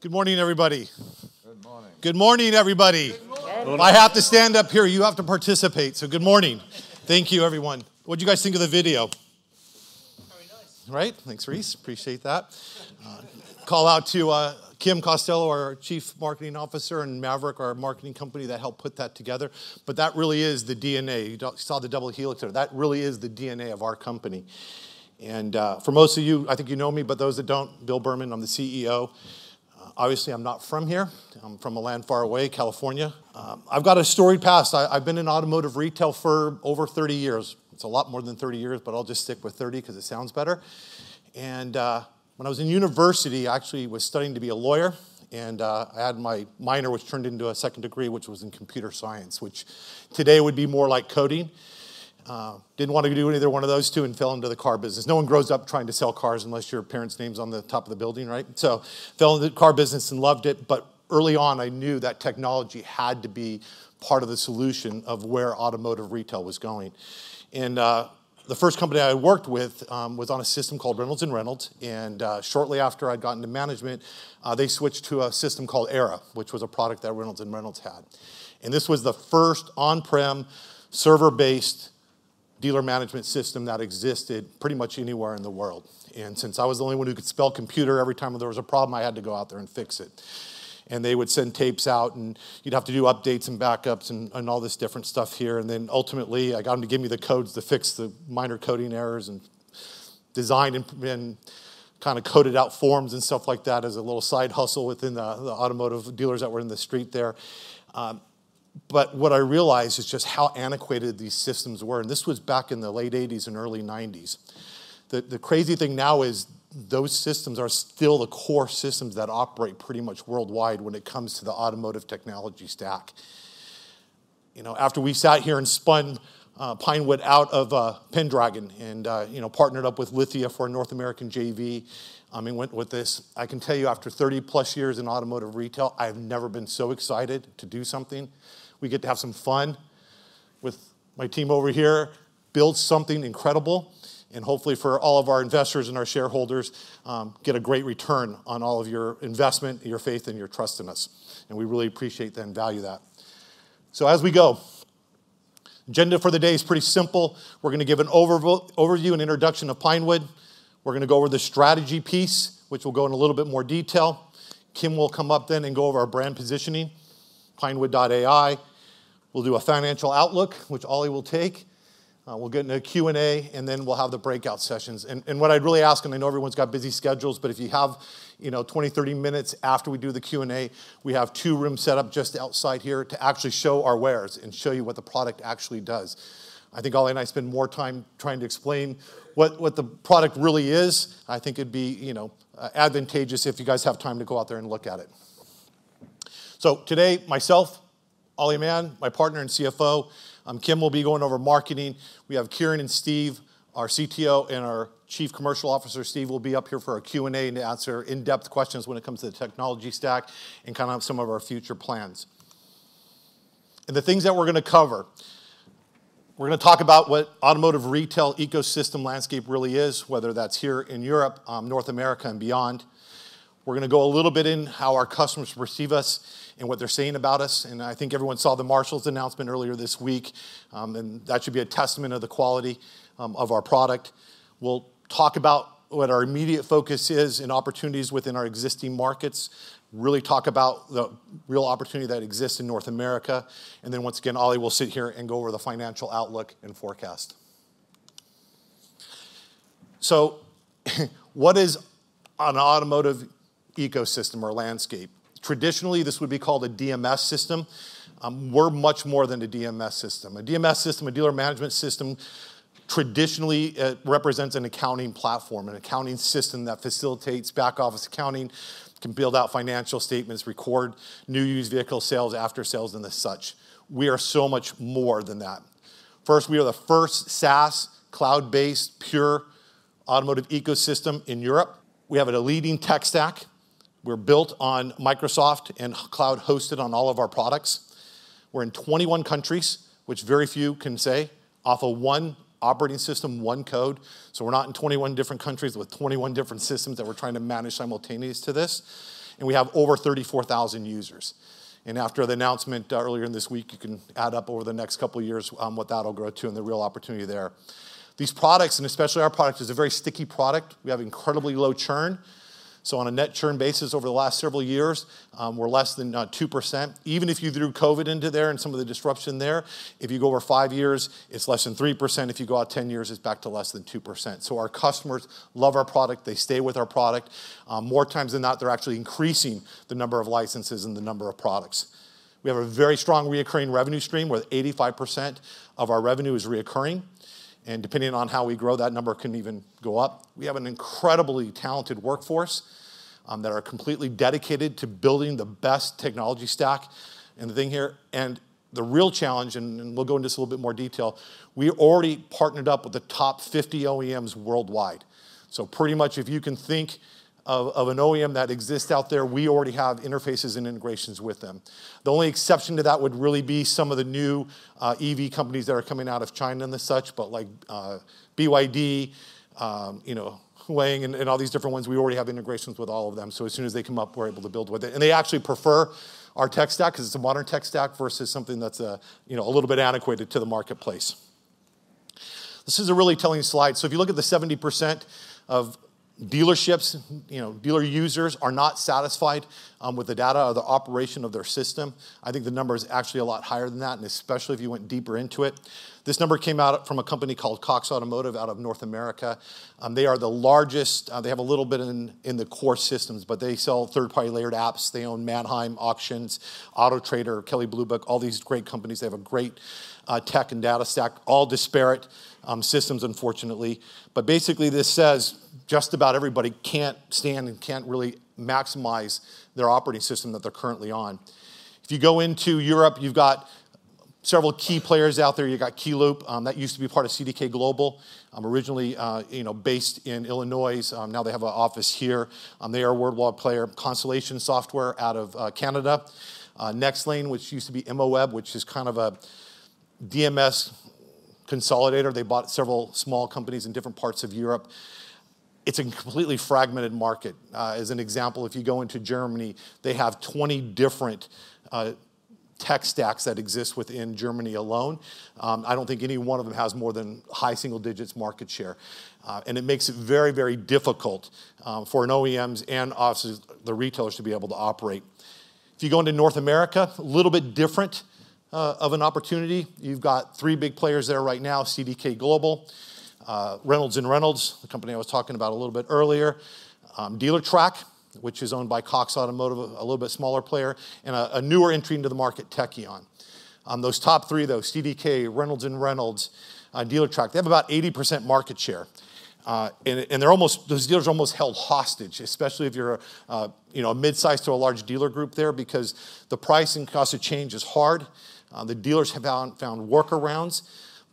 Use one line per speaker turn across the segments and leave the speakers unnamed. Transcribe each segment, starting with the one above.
Good morning, everybody. Good morning. Good morning, everybody. Good morning! I have to stand up here. You have to participate, so good morning. Thank you, everyone. What'd you guys think of the video? Very nice. Right? Thanks, Reese. Appreciate that. Call out to Kim Costello, our Chief Marketing Officer, and Maverick, our marketing company, that helped put that together. But that really is the DNA. You saw the double helix there. That really is the DNA of our company. And for most of you, you know me, but those that don't, Bill Berman, I'm the CEO. Obviously, I'm not from here. I'm from a land far away, California. I've got a storied past. I've been in automotive retail for over thirty years. It's a lot more than thirty years, but I'll just stick with thirty 'cause it sounds better. And when I was in university, I actually was studying to be a lawyer, and I had my minor, which turned into a second degree, which was in computer science, which today would be more like coding. Didn't want to do either one of those two and fell into the car business. No one grows up trying to sell cars unless your parent's name's on the top of the building, right? So fell in the car business and loved it. But early on, I knew that technology had to be part of the solution of where automotive retail was going. And the first company I worked with was on a system called Reynolds and Reynolds, and shortly after I'd gotten to management, they switched to a system called ERA, which was a product that Reynolds and Reynolds had. And this was the first on-prem, server-based dealer management system that existed pretty much anywhere in the world. And since I was the only one who could spell "computer," every time there was a problem, I had to go out there and fix it. And they would send tapes out, and you'd have to do updates and backups and all this different stuff here. And then ultimately, I got them to give me the codes to fix the minor coding errors and design and kinda coded out forms and stuff like that as a little side hustle within the automotive dealers that were in the street there. But what I realized is just how antiquated these systems were, and this was back in the late 1980s and early 1990s. The crazy thing now is those systems are still the core systems that operate pretty much worldwide when it comes to the automotive technology stack. You know, after we sat here and spun Pinewood out of Pendragon and, you know, partnered up with Lithia for a North American JV, and went with this, I can tell you, after 30-plus years in automotive retail, I've never been so excited to do something. We get to have some fun with my team over here, build something incredible, and hopefully for all of our investors and our shareholders, get a great return on all of your investment, your faith, and your trust in us, and we really appreciate that and value that. So as we go, agenda for the day is pretty simple. We're gonna give an overview and introduction of Pinewood. We're gonna go over the strategy piece, which we'll go in a little bit more detail. Kim will come up then and go over our brand positioning, Pinewood AI. We'll do a financial outlook, which Oli will take. We'll get into a Q&A, and then we'll have the breakout sessions. And what I'd really ask, and I know everyone's got busy schedules, but if you have, you know, twenty, thirty minutes after we do the Q&A, we have two rooms set up just outside here to actually show our wares and show you what the product actually does. Oliver and I spend more time trying to explain what the product really is. It'd be, you know, advantageous if you guys have time to go out there and look at it. So today, myself, Oliver Mann, my partner and CFO, Kim will be going over marketing. We have Kieran and Steve, our CTO and our Chief Commercial Officer. Steve will be up here for a Q&A and to answer in-depth questions when it comes to the technology stack and kinda some of our future plans. And the things that we're gonna cover: We're gonna talk about what automotive retail ecosystem landscape really is, whether that's here in Europe, North America, and beyond. We're gonna go a little bit in how our customers perceive us and what they're saying about us, and everyone saw the Marshall announcement earlier this week, and that should be a testament of the quality, of our product. We'll talk about what our immediate focus is and opportunities within our existing markets. Really talk about the real opportunity that exists in North America, and then once again, Oliver will sit here and go over the financial outlook and forecast. So what is an automotive ecosystem or landscape? Traditionally, this would be called a DMS system. We're much more than a DMS system. A DMS system, a dealer management system, traditionally, it represents an accounting platform, an accounting system that facilitates back office accounting, can build out financial statements, record new used vehicle sales, after sales, and the such. We are so much more than that. First, we are the first SaaS, cloud-based, pure automotive ecosystem in Europe. We have a leading tech stack. We're built on Microsoft and cloud-hosted on all of our products. We're in twenty-one countries, which very few can say, off of one operating system, one code. We're not in 21 different countries with 21 different systems that we're trying to manage simultaneous to this, and we have over 34,000 users. And after the announcement, earlier in this week, you can add up over the next couple of years, what that'll grow to and the real opportunity there. These products, and especially our product, is a very sticky product. We have incredibly low churn, so on a net churn basis over the last several years, we're less than 2%. Even if you threw COVID into there and some of the disruption there, if you go over 5 years, it's less than 3%. If you go out 10 years, it's back to less than 2%. Our customers love our product. They stay with our product. More times than not, they're actually increasing the number of licenses and the number of products. We have a very strong recurring revenue stream, where 85% of our revenue is recurring, and depending on how we grow, that number can even go up. We have an incredibly talented workforce that are completely dedicated to building the best technology stack. The thing here, and the real challenge, and we'll go into this in a little bit more detail, we already partnered up with the top 50 OEMs worldwide. So pretty much if you can think of an OEM that exists out there, we already have interfaces and integrations with them. The only exception to that would really be some of the new EV companies that are coming out of China and the such, but, like, BYD, you know, Huang and all these different ones, we already have integrations with all of them. So as soon as they come up, we're able to build with it. And they actually prefer our tech stack because it's a modern tech stack versus something that's, you know, a little bit antiquated to the marketplace. This is a really telling slide. So if you look at the 70% of dealerships, you know, dealer users are not satisfied with the data or the operation of their system. The number is actually a lot higher than that, and especially if you went deeper into it. This number came out from a company called Cox Automotive, out of North America. They are the largest, they have a little bit in the core systems, but they sell third-party layered apps. They own Manheim Auctions, Auto Trader, Kelley Blue Book, all these great companies. They have a great tech and data stack, all disparate systems, unfortunately. But basically, this says just about everybody can't stand and can't really maximize their operating system that they're currently on. If you go into Europe, you've got several key players out there. You've got Keyloop that used to be part of CDK Global. Originally, based in Illinois, now they have an office here. They are a worldwide player. Constellation Software out of Canada. Nexlane, which used to be Imaweb, which is a DMS consolidator. They bought several small companies in different parts of Europe. It's a completely fragmented market. As an example, if you go into Germany, they have 20 different tech stacks that exist within Germany alone. I don't think any one of them has more than high single digits market share, and it makes it very, very difficult for an OEMs and obviously, the retailers to be able to operate. If you go into North America, a little bit different of an opportunity. You've got three big players there right now: CDK Global, Reynolds and Reynolds, the company I was talking about a little bit earlier, Dealertrack, which is owned by Cox Automotive, a little bit smaller player, and a newer entry into the market, Tekion. Those top three, though, CDK, Reynolds and Reynolds, Dealertrack, they have about 80% market share. And they're almost those dealers are almost held hostage, especially if you're, a mid-size to a large dealer group there, because the pricing cost of change is hard. The dealers have found workarounds,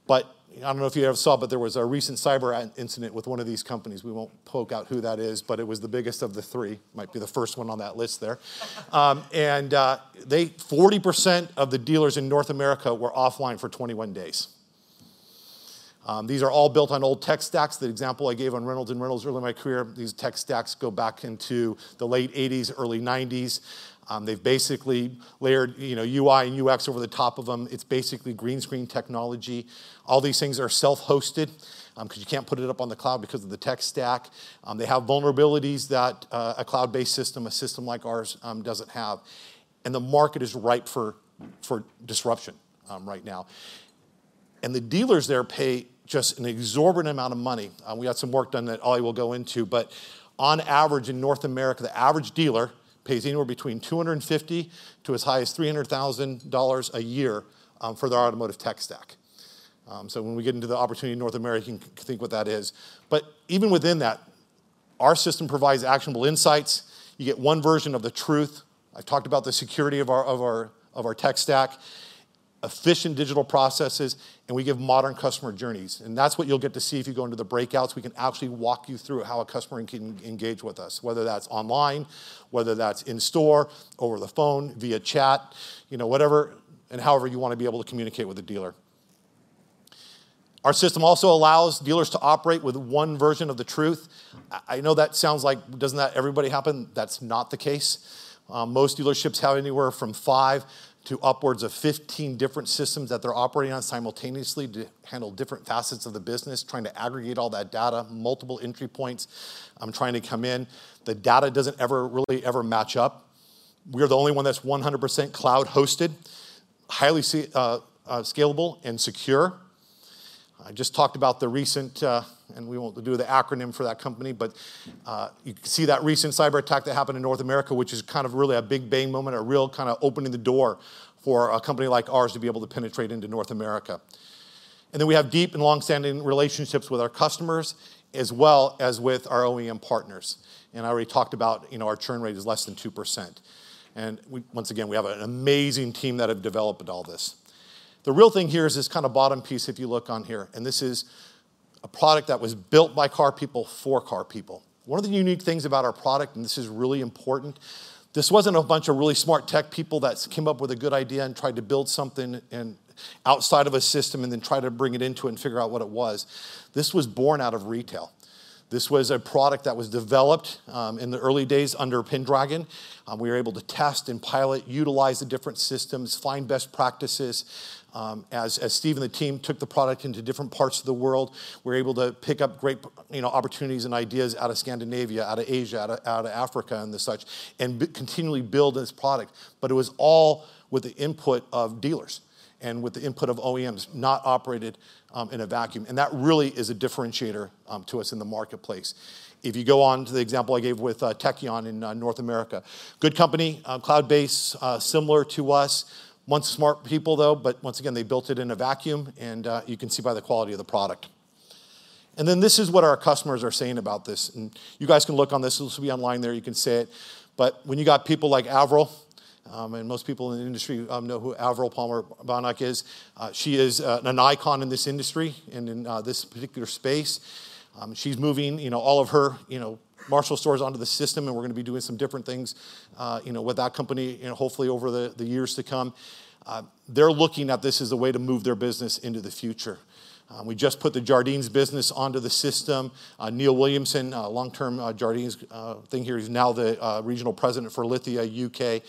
but I don't know if you ever saw, but there was a recent cyber incident with one of these companies. We won't point out who that is, but it was the biggest of the three. Might be the first one on that list there. Forty percent of the dealers in North America were offline for 21 days. These are all built on old tech stacks. The example I gave on Reynolds and Reynolds early in my career, these tech stacks go back into the late '80s, early '90s. They've basically layered, UI and UX over the top of them. It's basically green screen technology. All these things are self-hosted, 'cause you can't put it up on the cloud because of the tech stack. They have vulnerabilities that, a cloud-based system, a system like ours, doesn't have, and the market is ripe for disruption, right now, and the dealers there pay just an exorbitant amount of money. We had some work done that Oli will go into, but on average, in North America, the average dealer pays anywhere between $250,000 to as high as $300,000 a year, for their automotive tech stack. So when we get into the opportunity in North America, you can think what that is. But even within that, our system provides actionable insights. You get one version of the truth. I've talked about the security of our tech stack, efficient digital processes, and we give modern customer journeys, and that's what you'll get to see if you go into the breakouts. We can actually walk you through how a customer can engage with us, whether that's online, whether that's in store, over the phone, via chat, you know, whatever, and however you want to be able to communicate with the dealer. Our system also allows dealers to operate with one version of the truth. I know that sounds like, doesn't that everybody happen? That's not the case. Most dealerships have anywhere from five to upwards of 15 different systems that they're operating on simultaneously to handle different facets of the business, trying to aggregate all that data, multiple entry points, trying to come in. The data doesn't ever, really ever match up. We are the only one that's 100% cloud-hosted, highly scalable and secure. I just talked about the recent, and we won't do the acronym for that company, but, you see that recent cyberattack that happened in North America, which is really a big bang moment, a real opening the door for a company like ours to be able to penetrate into North America. And then we have deep and long-standing relationships with our customers, as well as with our OEM partners. I already talked about, you know, our churn rate is less than 2%. We once again have an amazing team that have developed all this. The real thing here is this bottom piece, if you look on here, and this is a product that was built by car people, for car people. One of the unique things about our product, and this is really important, this wasn't a bunch of really smart tech people that came up with a good idea and tried to build something and outside of a system, and then try to bring it into and figure out what it was. This was born out of retail. This was a product that was developed in the early days under Pendragon. We were able to test and pilot, utilize the different systems, find best practices. As Steve and the team took the product into different parts of the world, we're able to pick up great, you know, opportunities and ideas out of Scandinavia, out of Asia, out of Africa, and such, and continually build this product, but it was all with the input of dealers and with the input of OEMs, not operated in a vacuum, and that really is a differentiator to us in the marketplace. If you go on to the example I gave with Tekion in North America, good company, cloud-based, similar to us. Bunch of smart people, though, but once again, they built it in a vacuum, and you can see by the quality of the product. And then this is what our customers are saying about this, and you guys can look on this. This will be online there, you can see it. But when you got people like Avril, and most people in the industry know who Avril Palmer-Baunack is. She is an icon in this industry and in this particular space. She's moving, you know, all of her, you know, Marshall stores onto the system, and we're gonna be doing some different things, you know, with that company, you know, hopefully over the years to come. They're looking at this as a way to move their business into the future. We just put the Jardines business onto the system. Neil Williamson, a long-term Jardines thing here. He's now the regional president for Lithia UK.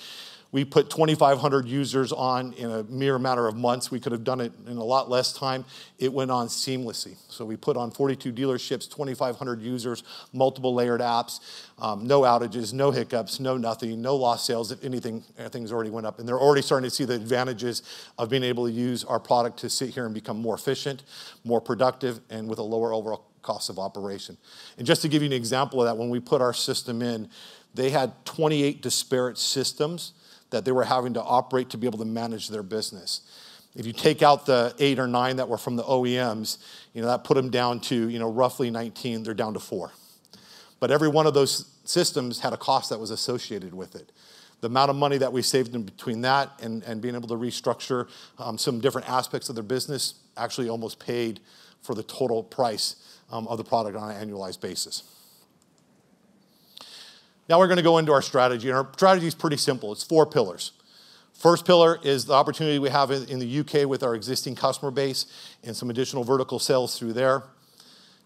We put 2,500 users on in a mere matter of months. We could have done it in a lot less time. It went on seamlessly, so we put on 42 dealerships, 2,500 users, multiple layered apps, no outages, no hiccups, no nothing, no lost sales. If anything, things already went up. They're already starting to see the advantages of being able to use our product to sit here and become more efficient, more productive, and with a lower overall cost of operation. Just to give you an example of that, when we put our system in, they had 28 disparate systems that they were having to operate to be able to manage their business. If you take out the eight or nine that were from the OEMs, you know, that put them down to, you know, roughly 19. They're down to four. But every one of those systems had a cost that was associated with it. The amount of money that we saved them between that and being able to restructure some different aspects of their business, actually almost paid for the total price of the product on an annualized basis. Now we're gonna go into our strategy, and our strategy is pretty simple. It's four pillars. First pillar is the opportunity we have in the UK with our existing customer base and some additional vertical sales through there.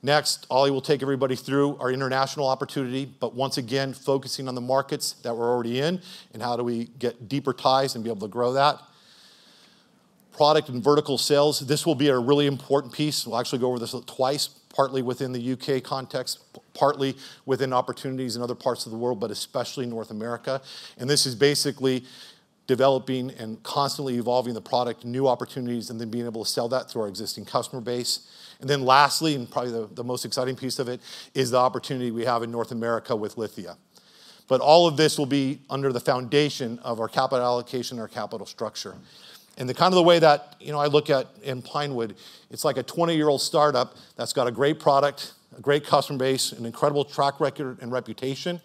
Next, Oli will take everybody through our international opportunity, but once again, focusing on the markets that we're already in and how do we get deeper ties and be able to grow that. Product and vertical sales, this will be a really important piece. We'll actually go over this twice, partly within the UK context, partly within opportunities in other parts of the world, but especially North America. This is basically developing and constantly evolving the product, new opportunities, and then being able to sell that to our existing customer base. Then lastly, and probably the most exciting piece of it, is the opportunity we have in North America with Lithia. But all of this will be under the foundation of our capital allocation or capital structure. And the way that, you know, I look at in Pinewood, it's like a twenty-year-old start-up that's got a great product, a great customer base, an incredible track record and reputation,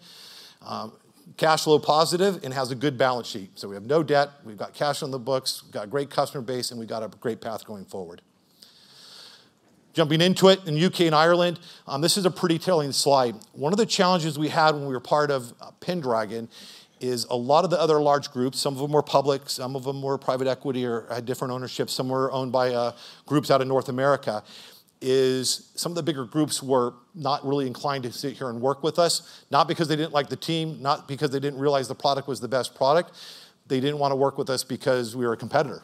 cash flow positive, and has a good balance sheet. So we have no debt, we've got cash on the books, we've got a great customer base, and we've got a great path going forward. Jumping into it, in the U.K. and Ireland, this is a pretty telling slide. One of the challenges we had when we were part of Pendragon is a lot of the other large groups, some of them were public, some of them were private equity or had different ownership, some were owned by groups out of North America. Some of the bigger groups were not really inclined to sit here and work with us, not because they didn't like the team, not because they didn't realize the product was the best product. They didn't wanna work with us because we were a competitor,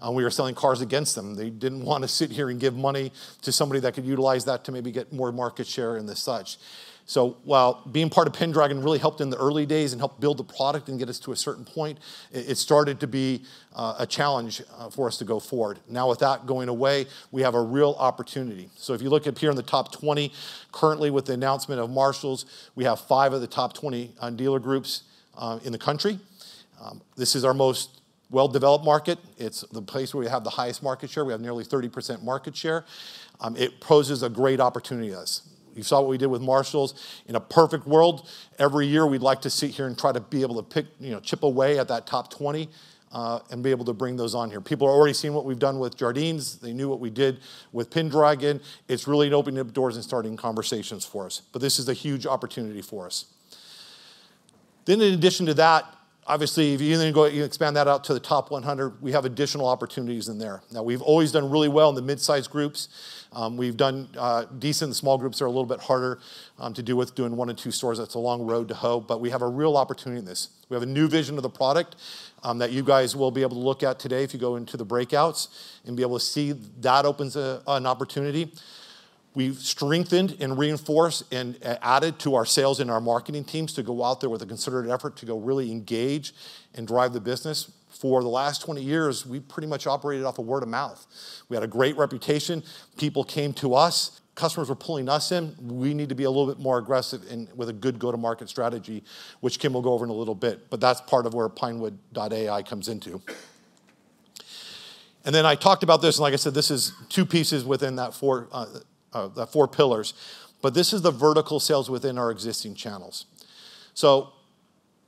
and we were selling cars against them. They didn't wanna sit here and give money to somebody that could utilize that to maybe get more market share and the such. While being part of Pendragon really helped in the early days and helped build the product and get us to a certain point, it started to be a challenge for us to go forward. Now, with that going away, we have a real opportunity. So if you look up here in the top 20, currently with the announcement of Marshall, we have five of the top 20 dealer groups in the country. This is our most well-developed market. It's the place where we have the highest market share. We have nearly 30% market share. It poses a great opportunity to us. You saw what we did with Marshall. In a perfect world, every year, we'd like to sit here and try to be able to pick, you know, chip away at that top 20, and be able to bring those on here. People are already seeing what we've done with Jardine. They knew what we did with Pendragon. It's really opening up doors and starting conversations for us, but this is a huge opportunity for us. In addition to that, obviously, if you then go, you expand that out to the top 100, we have additional opportunities in there. Now, we've always done really well in the mid-size groups. We've done decent. Small groups are a little bit harder to do with doing one or two stores. That's a long road to hoe, but we have a real opportunity in this. We have a new vision of the product that you guys will be able to look at today if you go into the breakouts and be able to see that opens an opportunity. We've strengthened and reinforced and added to our sales and our marketing teams to go out there with a considered effort to go really engage and drive the business. For the last twenty years, we pretty much operated off of word of mouth. We had a great reputation. People came to us, customers were pulling us in. We need to be a little bit more aggressive and with a good go-to-market strategy, which Kim will go over in a little bit, but that's part of where Pinewood AI comes into. And then I talked about this, and like I said, this is two pieces within that four, the four pillars, but this is the vertical sales within our existing channels. So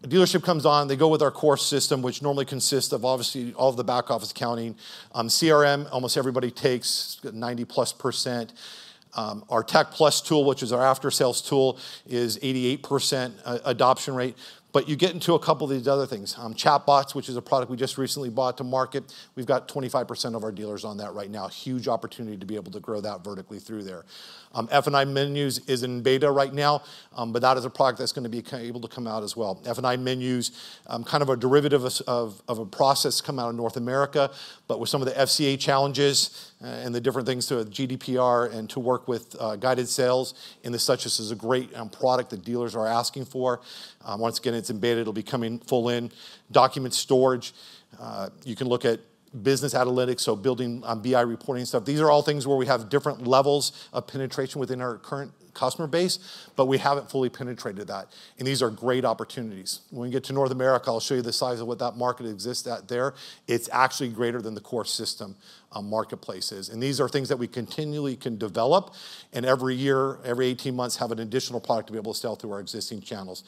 a dealership comes on, they go with our core system, which normally consists of, obviously, all of the back-office accounting. CRM, almost everybody takes 90+%. Our Tech+ tool, which is our after-sales tool, is 88% adoption rate, but you get into a couple of these other things. Chatbots, which is a product we just recently bought to market, we've got 25% of our dealers on that right now. Huge opportunity to be able to grow that vertically through there. F&I Menus is in beta right now, but that is a product that's gonna be able to come out as well. F&I Menus, a derivative of a process come out of North America, but with some of the FCA challenges, and the different things to GDPR and to work with, guided sales, and as such, this is a great product that dealers are asking for. Once again, it's in beta. It'll be coming full in. Document storage, you can look at business analytics, so building BI reporting stuff. These are all things where we have different levels of penetration within our current customer base, but we haven't fully penetrated that, and these are great opportunities. When we get to North America, I'll show you the size of what that market exists at there. It's actually greater than the core system marketplace is. These are things that we continually can develop, and every year, every eighteen months, have an additional product to be able to sell through our existing channels.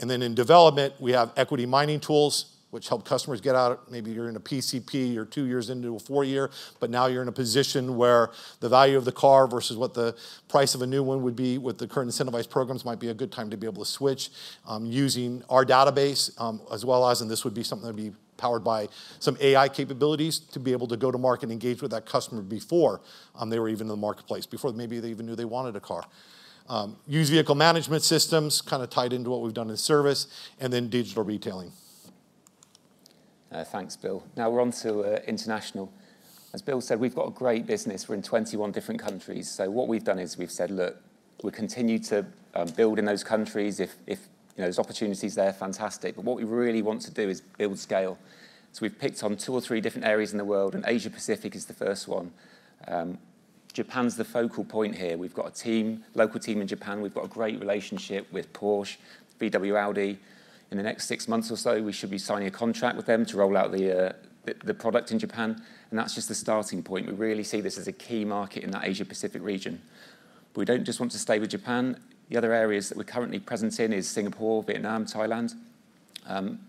And then in development, we have equity mining tools, which help customers get out. Maybe you're in a PCP, you're two years into a four year, but now you're in a position where the value of the car versus what the price of a new one would be with the current incentivized programs might be a good time to be able to switch, using our database, as well as, and this would be something that would be powered by some AI capabilities to be able to go to market and engage with that customer before they were even in the marketplace, before maybe they even knew they wanted a car. Used vehicle management systems, tied into what we've done in service, and then digital retailing.
Thanks, Bill. Now we're on to international. As Bill said, we've got a great business. We're in twenty-one different countries. So what we've done is we've said, look, we continue to build in those countries. If you know, there's opportunities there, fantastic. But what we really want to do is build scale. So we've picked on two or three different areas in the world, and Asia Pacific is the first one. Japan's the focal point here. We've got a team, local team in Japan. We've got a great relationship with Porsche, VW Audi. In the next six months or so, we should be signing a contract with them to roll out the product in Japan, and that's just the starting point. We really see this as a key market in that Asia Pacific region. But we don't just want to stay with Japan. The other areas that we're currently present in is Singapore, Vietnam, Thailand.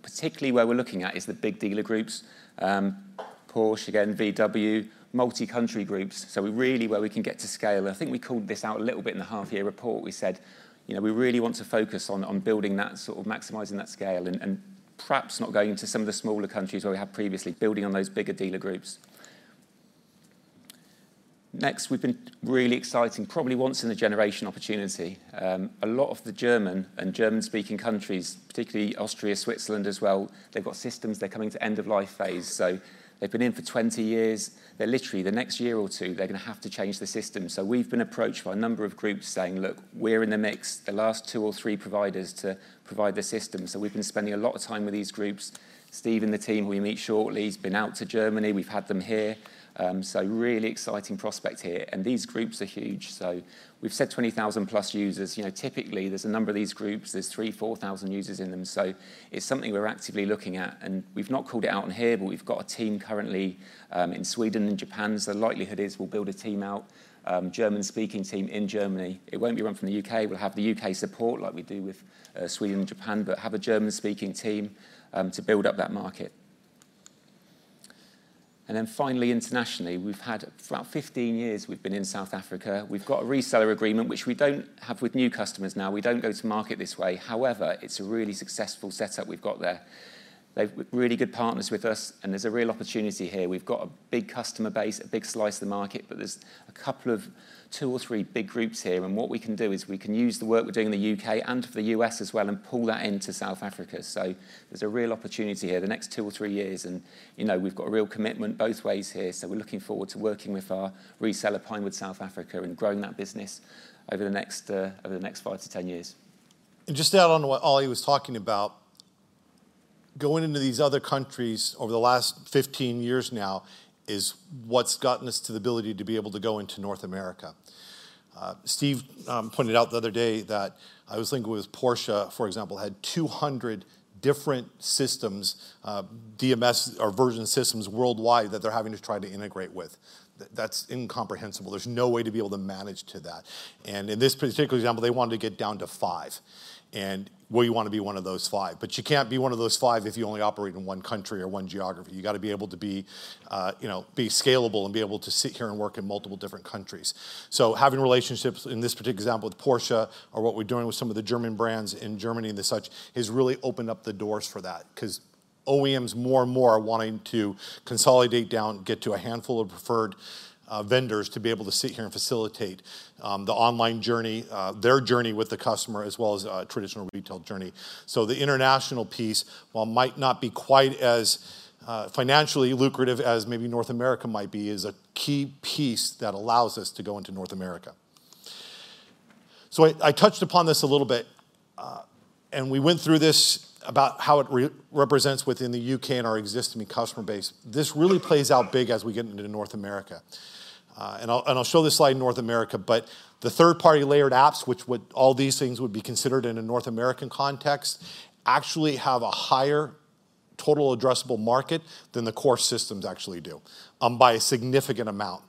Particularly where we're looking at is the big dealer groups, Porsche, again, VW, multi-country groups, so we really where we can get to scale. We called this out a little bit in the half-year report. We said, you know, we really want to focus on, on building that, maximizing that scale, and, and perhaps not going into some of the smaller countries where we have previously, building on those bigger dealer groups. Next, what's been really exciting, probably once in a generation opportunity. A lot of the German and German-speaking countries, particularly Austria, Switzerland as well, they've got systems, they're coming to end of life phase, so they've been in for 20 years. They're literally, the next year or two, they're gonna have to change the system. So we've been approached by a number of groups saying, "Look, we're in the mix, the last two or three providers to provide the system." So we've been spending a lot of time with these groups. Steve and the team will meet shortly. He's been out to Germany. We've had them here. So really exciting prospect here, and these groups are huge. So we've said 20,000-plus users. You know, typically, there's a number of these groups. There's 3,000-4,000 users in them, so it's something we're actively looking at, and we've not called it out on here, but we've got a team currently in Sweden and Japan, so the likelihood is we'll build a team out, German-speaking team in Germany. It won't be run from the U.K. We'll have the U.K. support like we do with Sweden and Japan, but have a German-speaking team to build up that market. Then finally, internationally, we've had for about 15 years, we've been in South Africa. We've got a reseller agreement, which we don't have with new customers now. We don't go to market this way. However, it's a really successful setup we've got there. They've really good partners with us, and there's a real opportunity here. We've got a big customer base, a big slice of the market, but there's a couple of two or three big groups here, and what we can do is we can use the work we're doing in the U.K. and for the U.S. as well and pull that into South Africa. There's a real opportunity here in the next two or three years, and, you know, we've got a real commitment both ways here, so we're looking forward to working with our reseller, Pinewood South Africa, and growing that business over the next five to 10 years.
And just to add on to what Ollie was talking about, going into these other countries over the last 15 years now is what's gotten us to the ability to be able to go into North America. Steve pointed out the other day that I was thinking it was Porsche, for example, had 200 different systems, DMS or version systems worldwide that they're having to try to integrate with. That's incomprehensible. There's no way to be able to manage to that. And in this particular example, they wanted to get down to five, and we wanna be one of those five, but you can't be one of those five if you only operate in one country or one geography. You gotta be able to be, you know, be scalable and be able to sit here and work in multiple different countries. So having relationships, in this particular example, with Porsche or what we're doing with some of the German brands in Germany and such, has really opened up the doors for that. 'Cause OEMs more and more are wanting to consolidate down, get to a handful of preferred vendors to be able to sit here and facilitate the online journey, their journey with the customer, as well as traditional retail journey. So the international piece, while might not be quite as financially lucrative as maybe North America might be, is a key piece that allows us to go into North America. So I touched upon this a little bit, and we went through this about how it represents within the U.K. and our existing customer base. This really plays out big as we get into North America. I'll show this slide in North America, but the third-party layered apps, all these things would be considered in a North American context, actually have a higher total addressable market than the core systems actually do, by a significant amount.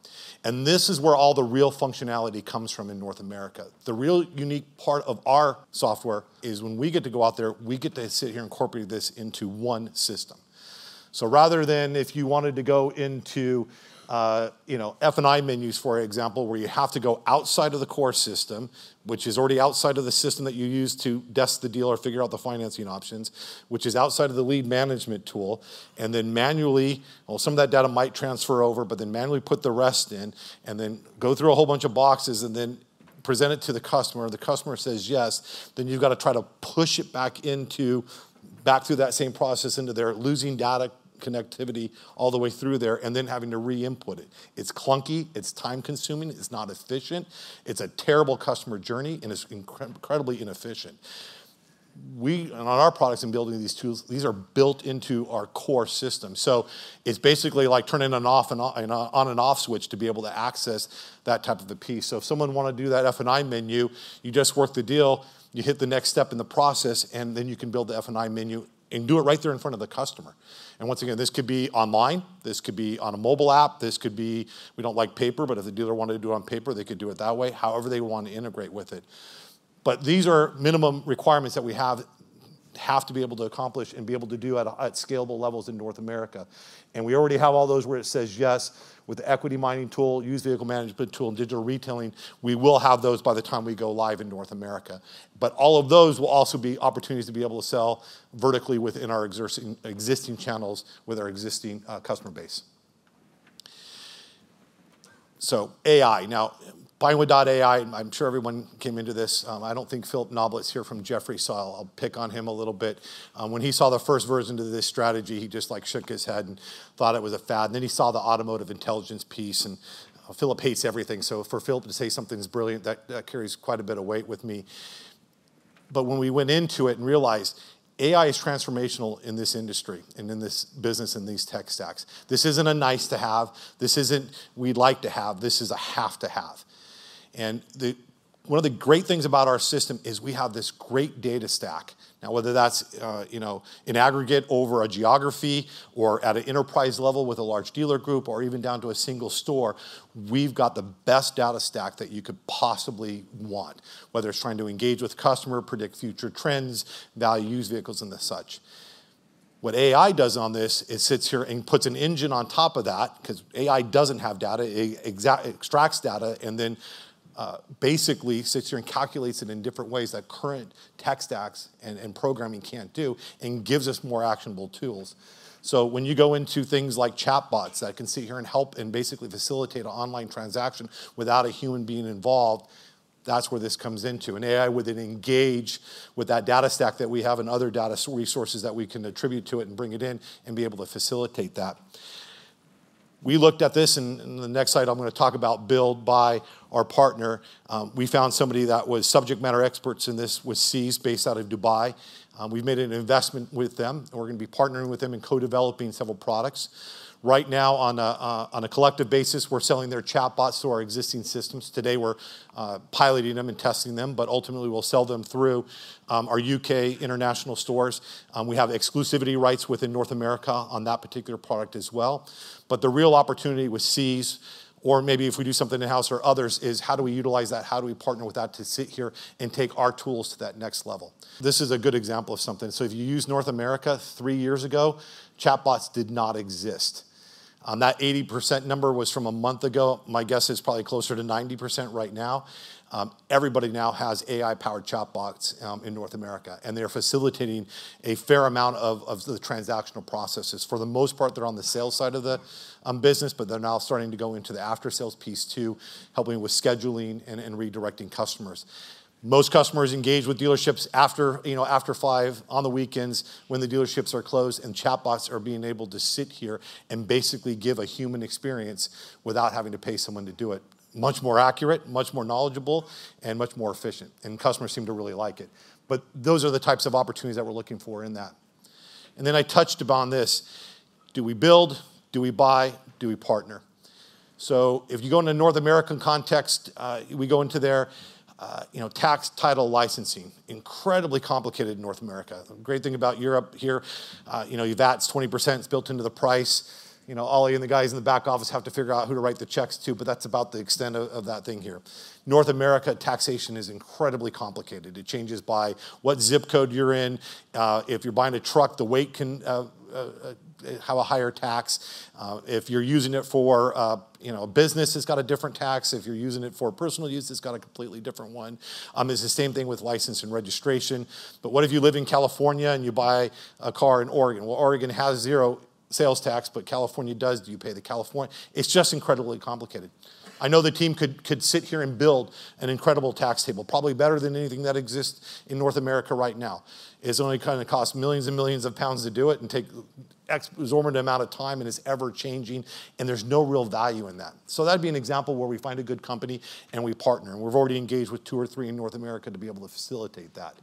This is where all the real functionality comes from in North America. The real unique part of our software is when we get to go out there, we get to sit here and incorporate this into one system. Rather than if you wanted to go into, you know, F&I Menus, for example, where you have to go outside of the core system, which is already outside of the system that you use to desk the dealer, figure out the financing options, which is outside of the lead management tool, and then manually... Some of that data might transfer over, but then manually put the rest in, and then go through a whole bunch of boxes, and then present it to the customer. The customer says, yes, then you've got to try to push it back into, back through that same process, into the DMS, losing data connectivity all the way through there, and then having to re-input it. It's clunky, it's time-consuming, it's not efficient, it's a terrible customer journey, and it's incredibly inefficient. We, on our products in building these tools, these are built into our core system. So it's basically like turning an off and on, an on and off switch to be able to access that type of a piece. If someone wanted to do that F&I menu, you just work the deal, you hit the next step in the process, and then you can build the F&I menu and do it right there in front of the customer. Once again, this could be online, this could be on a mobile app, this could be. We don't like paper, but if the dealer wanted to do it on paper, they could do it that way, however they want to integrate with it. These are minimum requirements that we have to be able to accomplish and be able to do at scalable levels in North America. We already have all those where it says yes, with the equity mining tool, used vehicle management tool, and digital retailing, we will have those by the time we go live in North America. But all of those will also be opportunities to be able to sell vertically within our existing channels, with our existing customer base. So AI. Now, Pinewood AI, I'm sure everyone came into this. I don't think Philip Noblet's here from Jefferies, so I'll pick on him a little bit. When he saw the first version to this strategy, he just, like, shook his head and thought it was a fad. And then he saw the automotive intelligence piece, and Philip hates everything. So for Philip to say something's brilliant, that carries quite a bit of weight with me. But when we went into it and realized AI is transformational in this industry and in this business and these tech stacks, this isn't a nice to have, this isn't we'd like to have, this is a have to have. One of the great things about our system is we have this great data stack. Now, whether that's, you know, in aggregate over a geography, or at an enterprise level with a large dealer group, or even down to a single store, we've got the best data stack that you could possibly want, whether it's trying to engage with customer, predict future trends, value used vehicles, and such. What AI does on this, it sits here and puts an engine on top of that, 'cause AI doesn't have data, it extracts data, and then, basically sits here and calculates it in different ways that current tech stacks and programming can't do, and gives us more actionable tools. When you go into things like chatbots that can sit here and help and basically facilitate an online transaction without a human being involved, that's where this comes into. An AI would then engage with that data stack that we have and other data resources that we can attribute to it and bring it in and be able to facilitate that. We looked at this, and in the next slide, I'm gonna talk about build by our partner. We found somebody that was subject matter experts in this, with Seez, based out of Dubai. We've made an investment with them, and we're gonna be partnering with them and co-developing several products. Right now, on a collective basis, we're selling their chatbots to our existing systems. Today, we're piloting them and testing them, but ultimately, we'll sell them through our UK international stores. We have exclusivity rights within North America on that particular product as well. But the real opportunity with Seez, or maybe if we do something in-house or others, is how do we utilize that? How do we partner with that to sit here and take our tools to that next level? This is a good example of something. So if you use North America, three years ago, chatbots did not exist. That 80% number was from a month ago. My guess is probably closer to 90% right now. Everybody now has AI-powered chatbots in North America, and they're facilitating a fair amount of the transactional processes. For the most part, they're on the sales side of the business, but they're now starting to go into the after-sales piece, too, helping with scheduling and redirecting customers. Most customers engage with dealerships after, you know, after five, on the weekends, when the dealerships are closed, and chatbots are being able to sit here and basically give a human experience without having to pay someone to do it. Much more accurate, much more knowledgeable, and much more efficient, and customers seem to really like it. But those are the types of opportunities that we're looking for in that. And then I touched upon this: Do we build? Do we buy? Do we partner? So if you go into North American context, we go into their, you know, tax, title, licensing. Incredibly complicated in North America. Great thing about Europe here, you know, your VAT's 20%, it's built into the price. You know, Ollie and the guys in the back office have to figure out who to write the checks to, but that's about the extent of that thing here. North America, taxation is incredibly complicated. It changes by what zip code you're in, if you're buying a truck, the weight can have a higher tax. If you're using it for, you know, business, it's got a different tax. If you're using it for personal use, it's got a completely different one. It's the same thing with license and registration. But what if you live in California and you buy a car in Oregon? Well, Oregon has zero sales tax, but California does. Do you pay the California? It's just incredibly complicated. I know the team could sit here and build an incredible tax table, probably better than anything that exists in North America right now. It's only gonna cost millions and millions of pounds to do it and take exorbitant amount of time, and it's ever-changing, and there's no real value in that. So that'd be an example where we find a good company and we partner, and we've already engaged with two or three in North America to be able to facilitate that.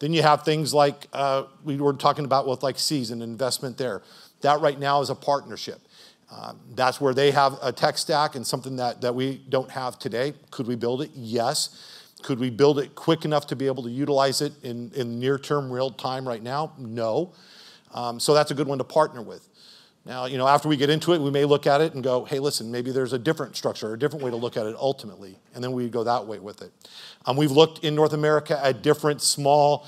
You have things like we were talking about with, like, Seez and investment there. That right now is a partnership. That's where they have a tech stack and something that we don't have today. Could we build it? Yes. Could we build it quick enough to be able to utilize it in near-term, real time right now? No. So that's a good one to partner with. Now, you know, after we get into it, we may look at it and go, "Hey, listen, maybe there's a different structure or a different way to look at it ultimately," and then we go that way with it. We've looked in North America at different small,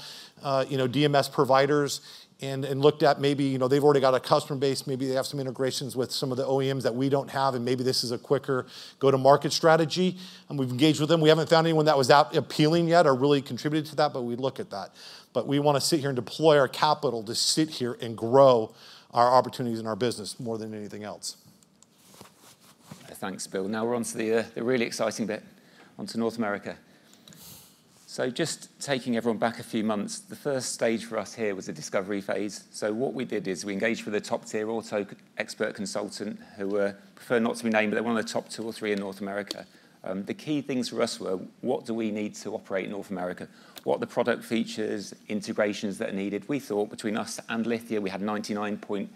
you know, DMS providers and looked at maybe, you know, they've already got a customer base, maybe they have some integrations with some of the OEMs that we don't have, and maybe this is a quicker go-to-market strategy, and we've engaged with them. We haven't found anyone that was that appealing yet or really contributed to that, but we'd look at that. But we want to sit here and deploy our capital to sit here and grow our opportunities and our business more than anything else.
Thanks, Bill. Now we're on to the really exciting bit, on to North America. So just taking everyone back a few months, the first stage for us here was the discovery phase. So what we did is we engaged with a top-tier auto expert consultant, who prefer not to be named, but they're one of the top two or three in North America. The key things for us were: What do we need to operate in North America? What are the product features, integrations that are needed? We thought between us and Lithia, we had 99.5%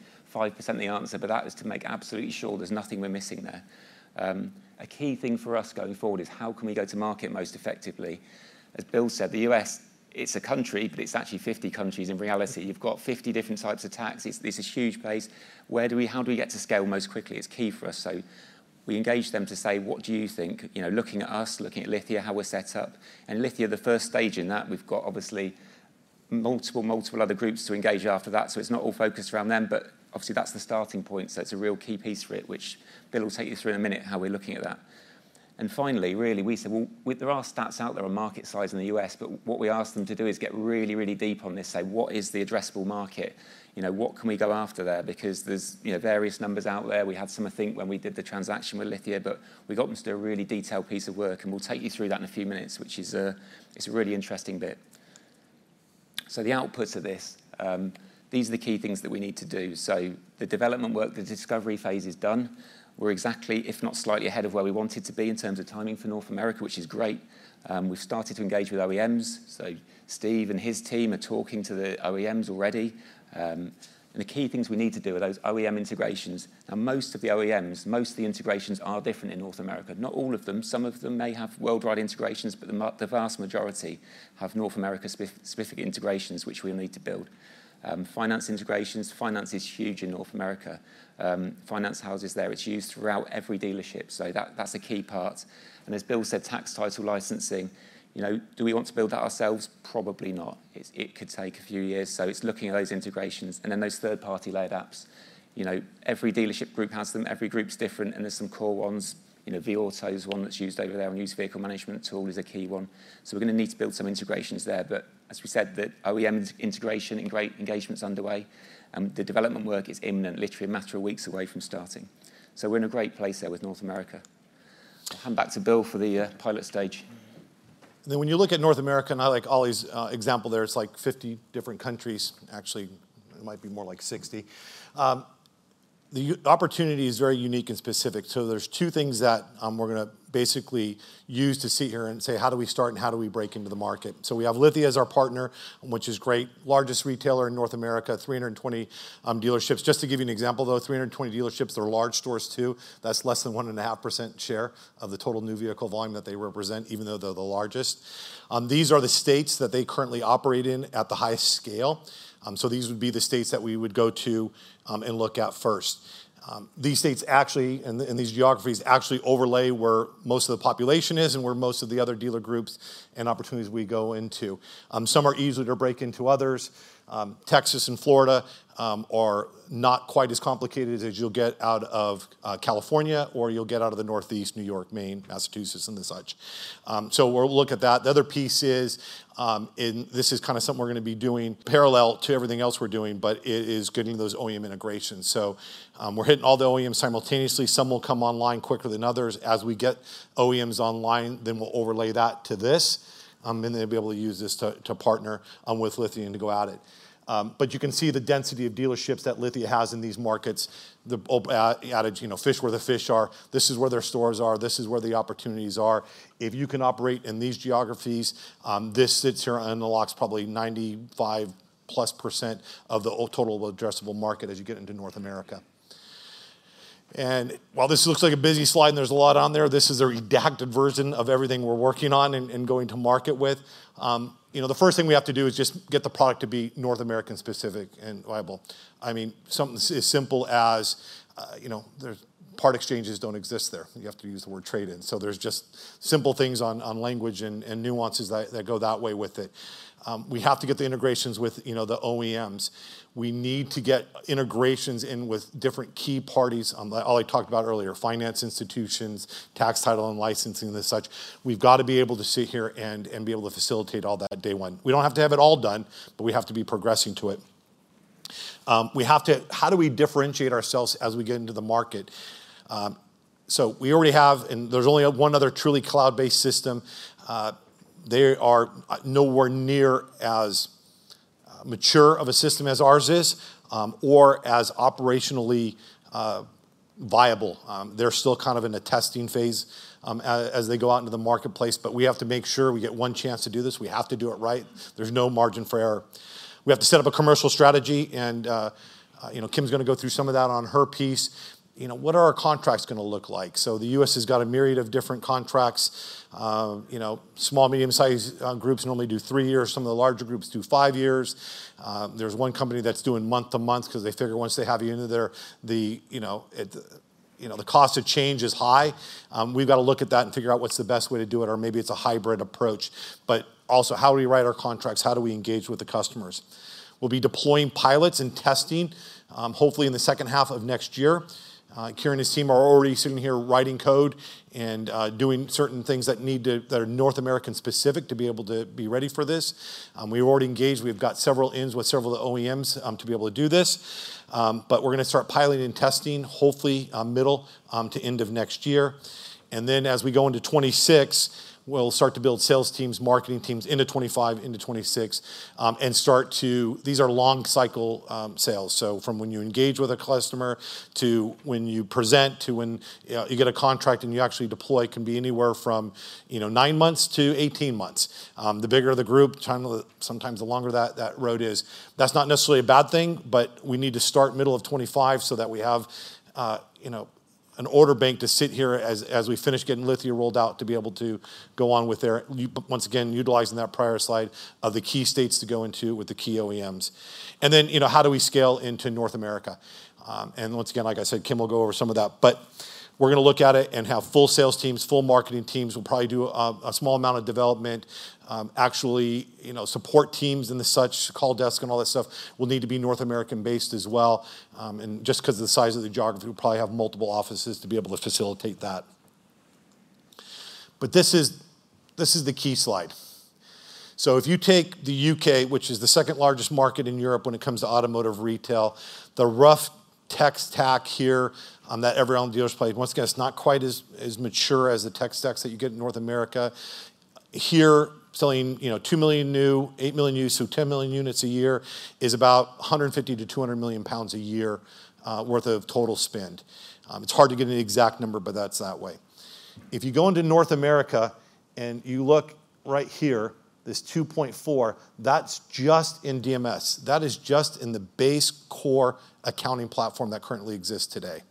of the answer, but that is to make absolutely sure there's nothing we're missing there. A key thing for us going forward is: How can we go to market most effectively? As Bill said, the U.S., it's a country, but it's actually 50 countries in reality. You've got 50 different types of taxes. This is a huge place. Where do we, how do we get to scale most quickly? It's key for us. So we engaged them to say: "What do you think, you know, looking at us, looking at Lithia, how we're set up?" And Lithia, the first stage in that, we've got obviously multiple, multiple other groups to engage after that. So it's not all focused around them, but obviously, that's the starting point, so it's a real key piece for it, which Bill will take you through in a minute, how we're looking at that. And finally, really, we said, "Well, there are stats out there on market size in the U.S.," but what we asked them to do is get really, really deep on this. Say, what is the addressable market? You know, what can we go after there? Because there's, you know, various numbers out there. We had some, when we did the transaction with Lithia, but we got them to do a really detailed piece of work, and we'll take you through that in a few minutes, which is, it's a really interesting bit. So the outputs of this, these are the key things that we need to do. So the development work, the discovery phase is done. We're exactly, if not slightly ahead of where we wanted to be in terms of timing for North America, which is great. We've started to engage with OEMs. So Steve and his team are talking to the OEMs already. And the key things we need to do are those OEM integrations. Now, most of the OEMs, most of the integrations are different in North America. Not all of them. Some of them may have worldwide integrations, but the vast majority have North America specific integrations, which we'll need to build. Finance integrations. Finance is huge in North America. Finance houses there, it's used throughout every dealership, so that's a key part. And as Bill said, tax title licensing, you know, do we want to build that ourselves? Probably not. It could take a few years, so it's looking at those integrations, and then those third-party lead apps. You know, every dealership group has them, every group's different, and there's some core ones. You know, vAuto is one that's used over there, and used vehicle management tool is a key one. So we're going to need to build some integrations there. But as we said, the OEM integration and great engagement is underway, and the development work is imminent, literally a matter of weeks away from starting. So we're in a great place there with North America. I'll hand back to Bill for the pilot stage.
And then when you look at North America, not like Oli's example there, it's like 50 different countries. Actually, it might be more like 60. The opportunity is very unique and specific. So there's two things that we're going to basically use to sit here and say: How do we start and how do we break into the market? So we have Lithia as our partner, which is great. Largest retailer in North America, 320 dealerships. Just to give you an example, though, 320 dealerships, they're large stores, too. That's less than 1.5% share of the total new vehicle volume that they represent, even though they're the largest. These are the states that they currently operate in at the highest scale. So these would be the states that we would go to and look at first. These states actually, and these geographies actually overlay where most of the population is and where most of the other dealer groups and opportunities we go into. Some are easier to break into others. Texas and Florida are not quite as complicated as you'll get out of California or you'll get out of the Northeast, New York, Maine, Massachusetts, and the such. We'll look at that. The other piece is, and this is something we're going to be doing parallel to everything else we're doing, but it is getting those OEM integrations. We're hitting all the OEMs simultaneously. Some will come online quicker than others. As we get OEMs online, then we'll overlay that to this, and they'll be able to use this to partner with Lithia to go at it. But you can see the density of dealerships that Lithia has in these markets. The adage, you know, fish where the fish are, this is where their stores are, this is where the opportunities are. If you can operate in these geographies, this sits here on the locks, probably 95% plus of the total addressable market as you get into North America. And while this looks like a busy slide, and there's a lot on there, this is a redacted version of everything we're working on and going to market with. You know, the first thing we have to do is just get the product to be North American specific and viable. Something as simple as, you know, there's part exchanges don't exist there. You have to use the word trade-in. So there's just simple things on language and nuances that go that way with it. We have to get the integrations with, you know, the OEMs. We need to get integrations in with different key parties. Oli talked about earlier, finance institutions, tax title and licensing, and such. We've got to be able to sit here and be able to facilitate all that day one. We don't have to have it all done, but we have to be progressing to it. We have to, how do we differentiate ourselves as we get into the market? So we already have, and there's only one other truly cloud-based system. They are nowhere near as mature of a system as ours is, or as operationally viable. They're still in a testing phase as they go out into the marketplace, but we have to make sure we get one chance to do this. We have to do it right. There's no margin for error. We have to set up a commercial strategy, and you know, Kim's gonna go through some of that on her piece. You know, what are our contracts gonna look like? So the U.S. has got a myriad of different contracts. You know, small, medium-sized groups normally do three years. Some of the larger groups do five years. There's one company that's doing month to month because they figure once they have you into there, the, you know, it, you know, the cost of change is high. We've got to look at that and figure out what's the best way to do it, or maybe it's a hybrid approach. But also, how do we write our contracts? How do we engage with the customers? We'll be deploying pilots and testing, hopefully in the second half of next year. Kieran and his team are already sitting here writing code and doing certain things that are North American specific to be able to be ready for this. We've already engaged. We've got several ins with several OEMs to be able to do this. But we're gonna start piloting and testing, hopefully, middle to end of next year. And then, as we go into 2026, we'll start to build sales teams, marketing teams into 2025, into 2026, and start to... These are long cycle sales. So from when you engage with a customer, to when you present, to when you get a contract and you actually deploy, can be anywhere from, you know, nine months to 18 months. The bigger the group, sometimes the longer that road is. That's not necessarily a bad thing, but we need to start middle of 2025 so that we have, you know, an order bank to sit here as we finish getting Lithia rolled out, to be able to go on with their, once again, utilizing that prior slide of the key states to go into with the key OEMs. And then, you know, how do we scale into North America? Once again, like I said, Kim will go over some of that. We're gonna look at it and have full sales teams, full marketing teams. We'll probably do a small amount of development. Actually, you know, support teams and such, help desk, and all that stuff will need to be North American-based as well. And just 'cause of the size of the geography, we'll probably have multiple offices to be able to facilitate that. But this is the key slide. So if you take the U.K., which is the second largest market in Europe when it comes to automotive retail, the rough tech stack here that every auto dealer is playing, once again, it's not quite as mature as the tech stacks that you get in North America. Here, selling, you know, two million new, eight million used, so 10 million units a year is about 150-200 million pounds a year worth of total spend. It's hard to get an exact number, but that's that way. If you go into North America, and you look right here, this 2.4, that's just in DMS. That is just in the base core accounting platform that currently exists today.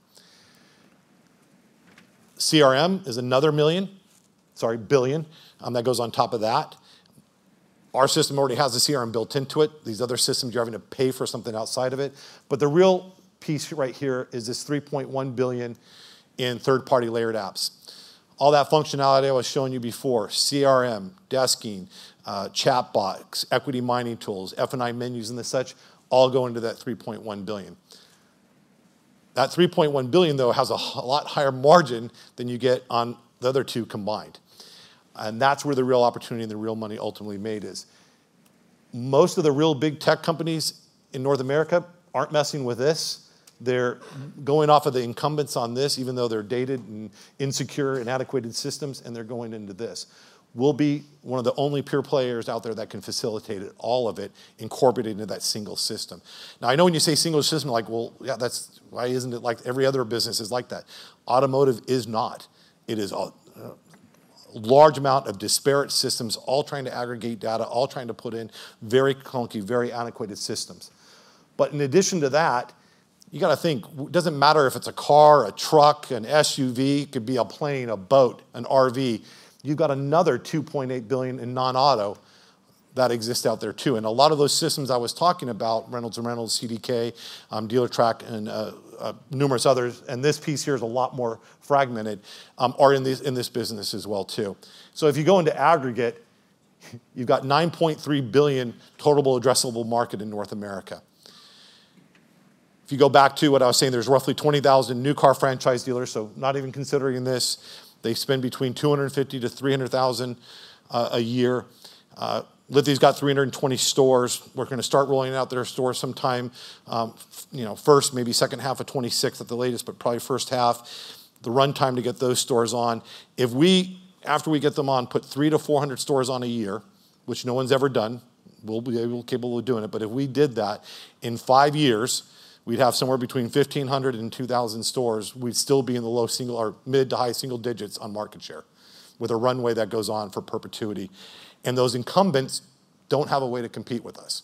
CRM is another million—sorry, billion, that goes on top of that. Our system already has the CRM built into it. These other systems, you're having to pay for something outside of it. But the real piece right here is this 3.1 billion in third-party layered apps. All that functionality I was showing you before, CRM, desking, chat bots, equity mining tools, F&I menus, and the such, all go into that $3.1 billion. That $3.1 billion, though, has a lot higher margin than you get on the other two combined, and that's where the real opportunity and the real money ultimately made is. Most of the real big tech companies in North America aren't messing with this. They're going off of the incumbents on this, even though they're dated and insecure and antiquated systems, and they're going into this. We'll be one of the only pure players out there that can facilitate it, all of it, incorporated into that single system. Now, I know when you say single system, that's why isn't it like every other business is like that? Automotive is not. It is a large amount of disparate systems, all trying to aggregate data, all trying to put in very clunky, very antiquated systems. But in addition to that, you got to think, it doesn't matter if it's a car, a truck, an SUV, it could be a plane, a boat, an RV, you've got another $2.8 billion in non-auto that exists out there, too. And a lot of those systems I was talking about, Reynolds and Reynolds, CDK, Dealertrack, and numerous others, and this piece here is a lot more fragmented, are in this business as well, too. So if you go into aggregate, you've got $9.3 billion total addressable market in North America. If you go back to what I was saying, there's roughly 20,000 new car franchise dealers, so not even considering this, they spend between $250,000-$300,000 a year. Lithia's got 320 stores. We're gonna start rolling out their stores sometime, you know, first, maybe second half of 2026 at the latest, but probably first half, the runtime to get those stores on. If we, after we get them on, put 300-400 stores on a year, which no one's ever done, we'll be capable of doing it. But if we did that, in five years, we'd have somewhere between 1,500-2,000 stores. We'd still be in the low single or mid to high single digits on market share, with a runway that goes on for perpetuity. Those incumbents don't have a way to compete with us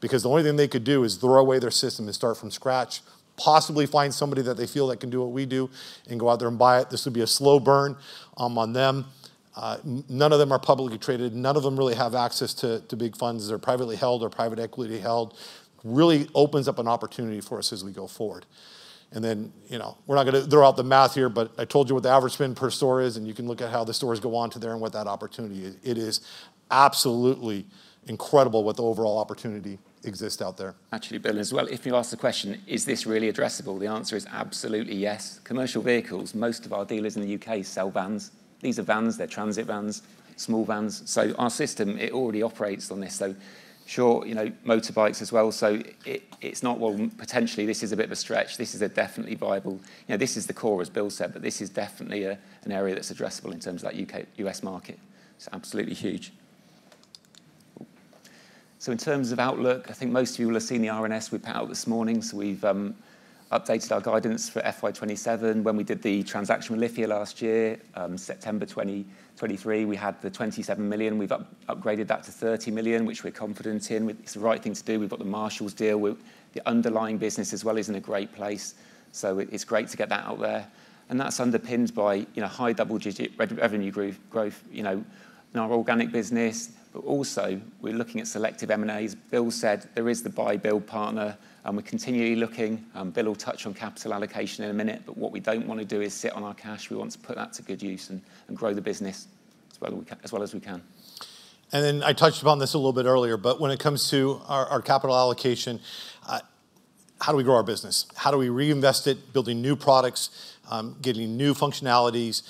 because the only thing they could do is throw away their system and start from scratch, possibly find somebody that they feel that can do what we do and go out there and buy it. This would be a slow burn on them. None of them are publicly traded, none of them really have access to big funds. They're privately held or privately equity held. Really opens up an opportunity for us as we go forward. And then, you know, we're not gonna throw out the math here, but I told you what the average spend per store is, and you can look at how the stores go on to there and what that opportunity is. It is absolutely incredible what the overall opportunity exists out there.
Actually, Bill, as well, if you ask the question, is this really addressable? The answer is absolutely yes. Commercial vehicles, most of our dealers in the U.K. sell vans. These are vans, they're transit vans, small vans. So our system, it already operates on this, so sure, you know, motorbikes as well. So it, it's not, well, potentially, this is a bit of a stretch. This is a definitely viable, you know, this is the core, as Bill said, but this is definitely a, an area that's addressable in terms of that U.K.-U.S. market. It's absolutely huge. So in terms of outlook, most of you will have seen the RNS we put out this morning. So we've updated our guidance for FY 2027. When we did the transaction with Lithia last year, September 2023, we had the £27 million. We've upgraded that to 30 million, which we're confident in. It's the right thing to do. We've got the Marshall deal. The underlying business as well is in a great place, so it's great to get that out there. And that's underpinned by, you know, high double-digit revenue growth, you know, in our organic business. But also, we're looking at selective M&As. Bill said there is the buy-build partner, and we're continually looking. Bill will touch on capital allocation in a minute, but what we don't wanna do is sit on our cash. We want to put that to good use and grow the business as well as we can.
And then I touched upon this a little bit earlier, but when it comes to our capital allocation, how do we grow our business? How do we reinvest it, building new products, getting new functionalities,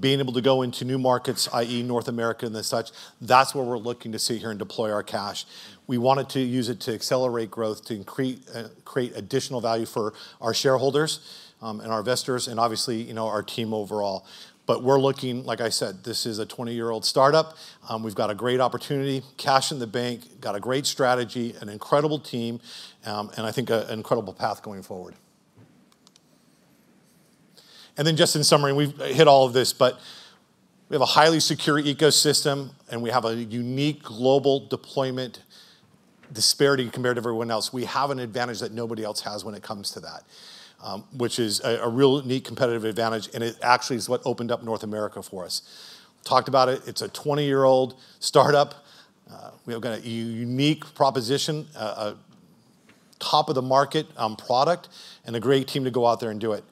being able to go into new markets, i.e., North America and the such? That's where we're looking to see here and deploy our cash. We wanted to use it to accelerate growth, to increase, create additional value for our shareholders, and our investors, and obviously, you know, our team overall. But we're looking... Like I said, this is a twenty-year-old startup. We've got a great opportunity, cash in the bank, got a great strategy, an incredible team, and an incredible path going forward. And then just in summary, we've hit all of this, but we have a highly secure ecosystem, and we have a unique global deployment disparity compared to everyone else. We have an advantage that nobody else has when it comes to that, which is a real neat competitive advantage, and it actually is what opened up North America for us. Talked about it, it's a twenty-year-old startup. We've got a unique proposition, top of the market, product, and a great team to go out there and do it.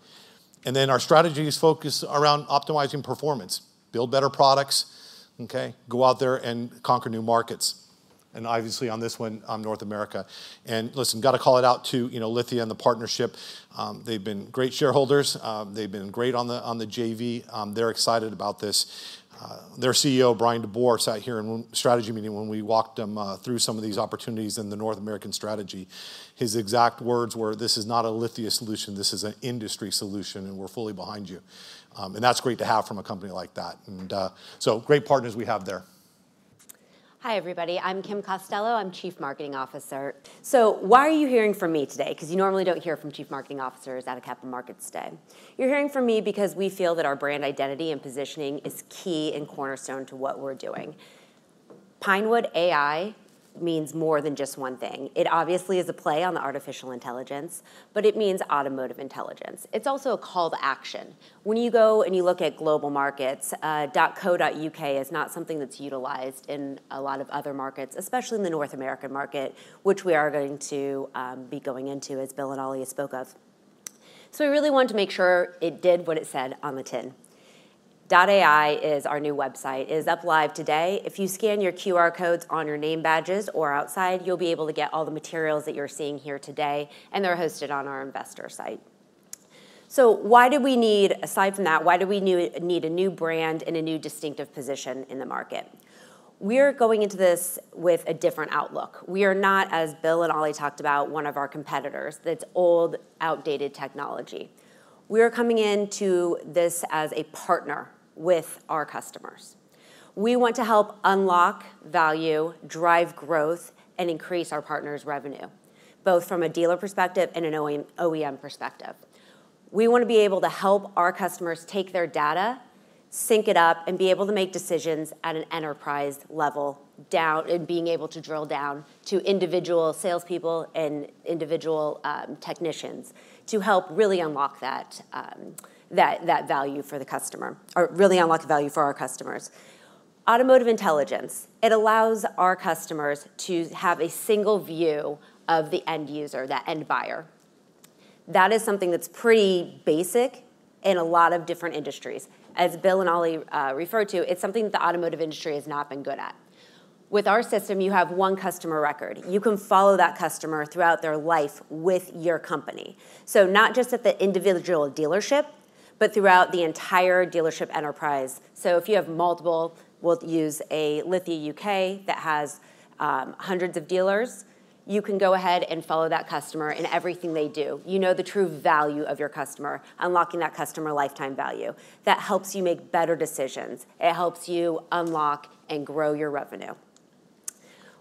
And then our strategy is focused around optimizing performance. Build better products, okay? Go out there and conquer new markets, and obviously, on this one, North America. And listen, gotta call it out to, you know, Lithia and the partnership. They've been great shareholders. They've been great on the JV. They're excited about this. Their CEO, Bryan DeBoer, sat here in strategy meeting when we walked them through some of these opportunities in the North American strategy. His exact words were, "This is not a Lithia solution. This is an industry solution, and we're fully behind you," and that's great to have from a company like that, and so great partners we have there.
Hi, everybody. I'm Kim Costello. I'm Chief Marketing Officer. So why are you hearing from me today? 'Cause you normally don't hear from chief marketing officers at a Capital Markets Day. You're hearing from me because we feel that our brand identity and positioning is key and cornerstone to what we're doing. Pinewood AI means more than just one thing. It obviously is a play on artificial intelligence, but it means automotive intelligence. It's also a call to action. When you go and you look at global markets, .co.uk is not something that's utilized in a lot of other markets, especially in the North American market, which we are going to be going into, as Bill and Oli spoke of. So we really wanted to make sure it did what it said on the tin. .ai is our new website. It is up live today. If you scan your QR codes on your name badges or outside, you'll be able to get all the materials that you're seeing here today, and they're hosted on our investor site. So why do we need? Aside from that, why do we need a new brand and a new distinctive position in the market? We're going into this with a different outlook. We are not, as Bill and Oli talked about, one of our competitors, that's old, outdated technology. We are coming into this as a partner with our customers. We want to help unlock value, drive growth, and increase our partners' revenue, both from a dealer perspective and an OEM, OEM perspective. We wanna be able to help our customers take their data, sync it up, and be able to make decisions at an enterprise level down, and being able to drill down to individual salespeople and individual technicians, to help really unlock that value for the customer, or really unlock the value for our customers. Automotive intelligence, it allows our customers to have a single view of the end user, the end buyer. That is something that's pretty basic in a lot of different industries. As Bill and Oli referred to, it's something that the automotive industry has not been good at. With our system, you have one customer record. You can follow that customer throughout their life with your company, so not just at the individual dealership, but throughout the entire dealership enterprise. So if you have multiple, we'll use a Lithia UK that has hundreds of dealers, you can go ahead and follow that customer in everything they do. You know the true value of your customer, unlocking that customer lifetime value. That helps you make better decisions. It helps you unlock and grow your revenue.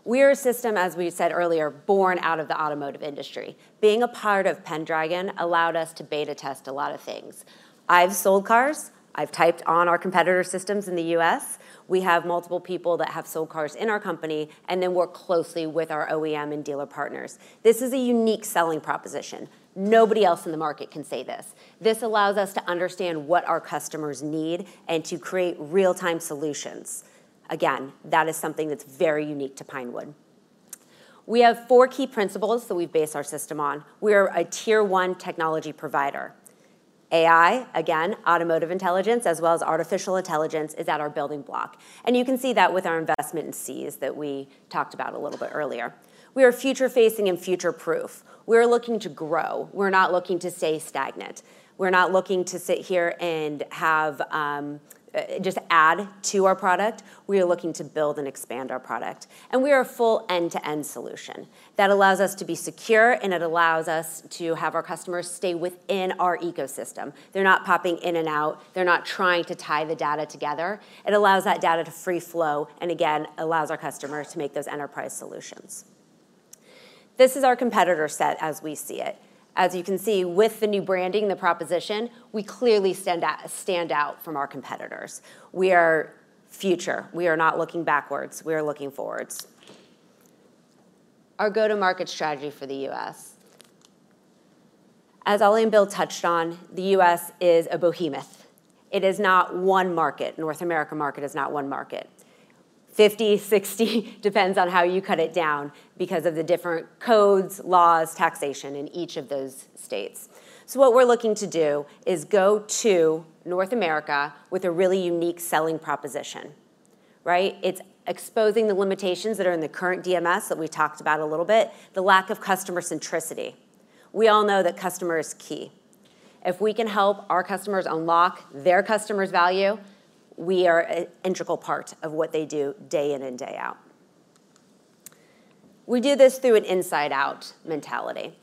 We're a system, as we said earlier, born out of the automotive industry. Being a part of Pendragon allowed us to beta test a lot of things. I've sold cars. I've typed on our competitor systems in the U.S. We have multiple people that have sold cars in our company, and they work closely with our OEM and dealer partners. This is a unique selling proposition. Nobody else in the market can say this. This allows us to understand what our customers need and to create real-time solutions. Again, that is something that's very unique to Pinewood. We have four key principles that we base our system on. We are a tier one technology provider. AI, again, automotive intelligence, as well as artificial intelligence, is at our building block, and you can see that with our investment in Seez that we talked about a little bit earlier. We are future-facing and future-proof. We're looking to grow. We're not looking to stay stagnant. We're not looking to sit here and just add to our product. We are looking to build and expand our product, and we are a full end-to-end solution. That allows us to be secure, and it allows us to have our customers stay within our ecosystem. They're not popping in and out. They're not trying to tie the data together. It allows that data to free flow, and again, allows our customers to make those enterprise solutions. This is our competitor set as we see it. As you can see, with the new branding, the proposition, we clearly stand out, stand out from our competitors. We are future. We are not looking backwards. We are looking forwards. Our go-to-market strategy for the U.S. As Oli and Bill touched on, the U.S. is a behemoth. It is not one market. North America market is not one market. 50, 60, depends on how you cut it down because of the different codes, laws, taxation in each of those states. So what we're looking to do is go to North America with a really unique selling proposition, right? It's exposing the limitations that are in the current DMS that we talked about a little bit, the lack of customer centricity. We all know that customer is key. If we can help our customers unlock their customer's value, we are an integral part of what they do day in and day out. We do this through an inside-out mentality.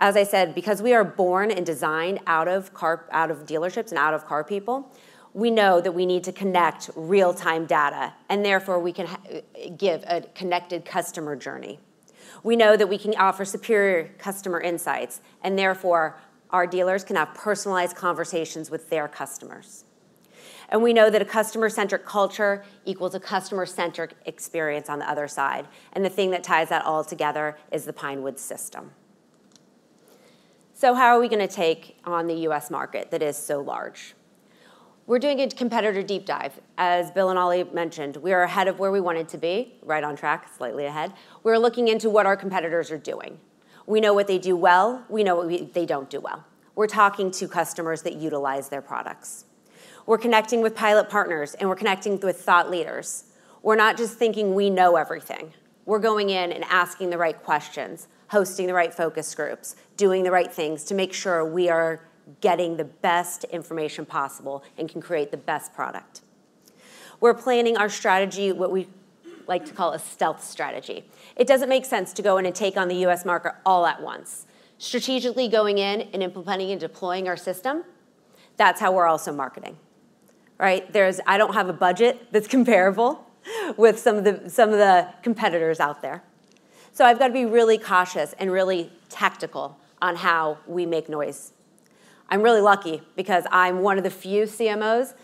As I said, because we are born and designed out of dealerships and out of car people, we know that we need to connect real-time data, and therefore, we can give a connected customer journey. We know that we can offer superior customer insights, and therefore, our dealers can have personalized conversations with their customers. We know that a customer-centric culture equals a customer-centric experience on the other side, and the thing that ties that all together is the Pinewood system.... So how are we going to take on the U.S. market that is so large? We're doing a competitor deep dive. As Bill and Oli mentioned, we are ahead of where we wanted to be, right on track, slightly ahead. We're looking into what our competitors are doing. We know what they do well, we know what they don't do well. We're talking to customers that utilize their products. We're connecting with pilot partners, and we're connecting with thought leaders. We're not just thinking we know everything. We're going in and asking the right questions, hosting the right focus groups, doing the right things to make sure we are getting the best information possible and can create the best product. We're planning our strategy, what we like to call a stealth strategy. It doesn't make sense to go in and take on the U.S. market all at once. Strategically going in and implementing and deploying our system, that's how we're also marketing. Right? I don't have a budget that's comparable with some of the, some of the competitors out there. So I've got to be really cautious and really tactical on how we make noise. I'm really lucky because I'm one of the few CMOs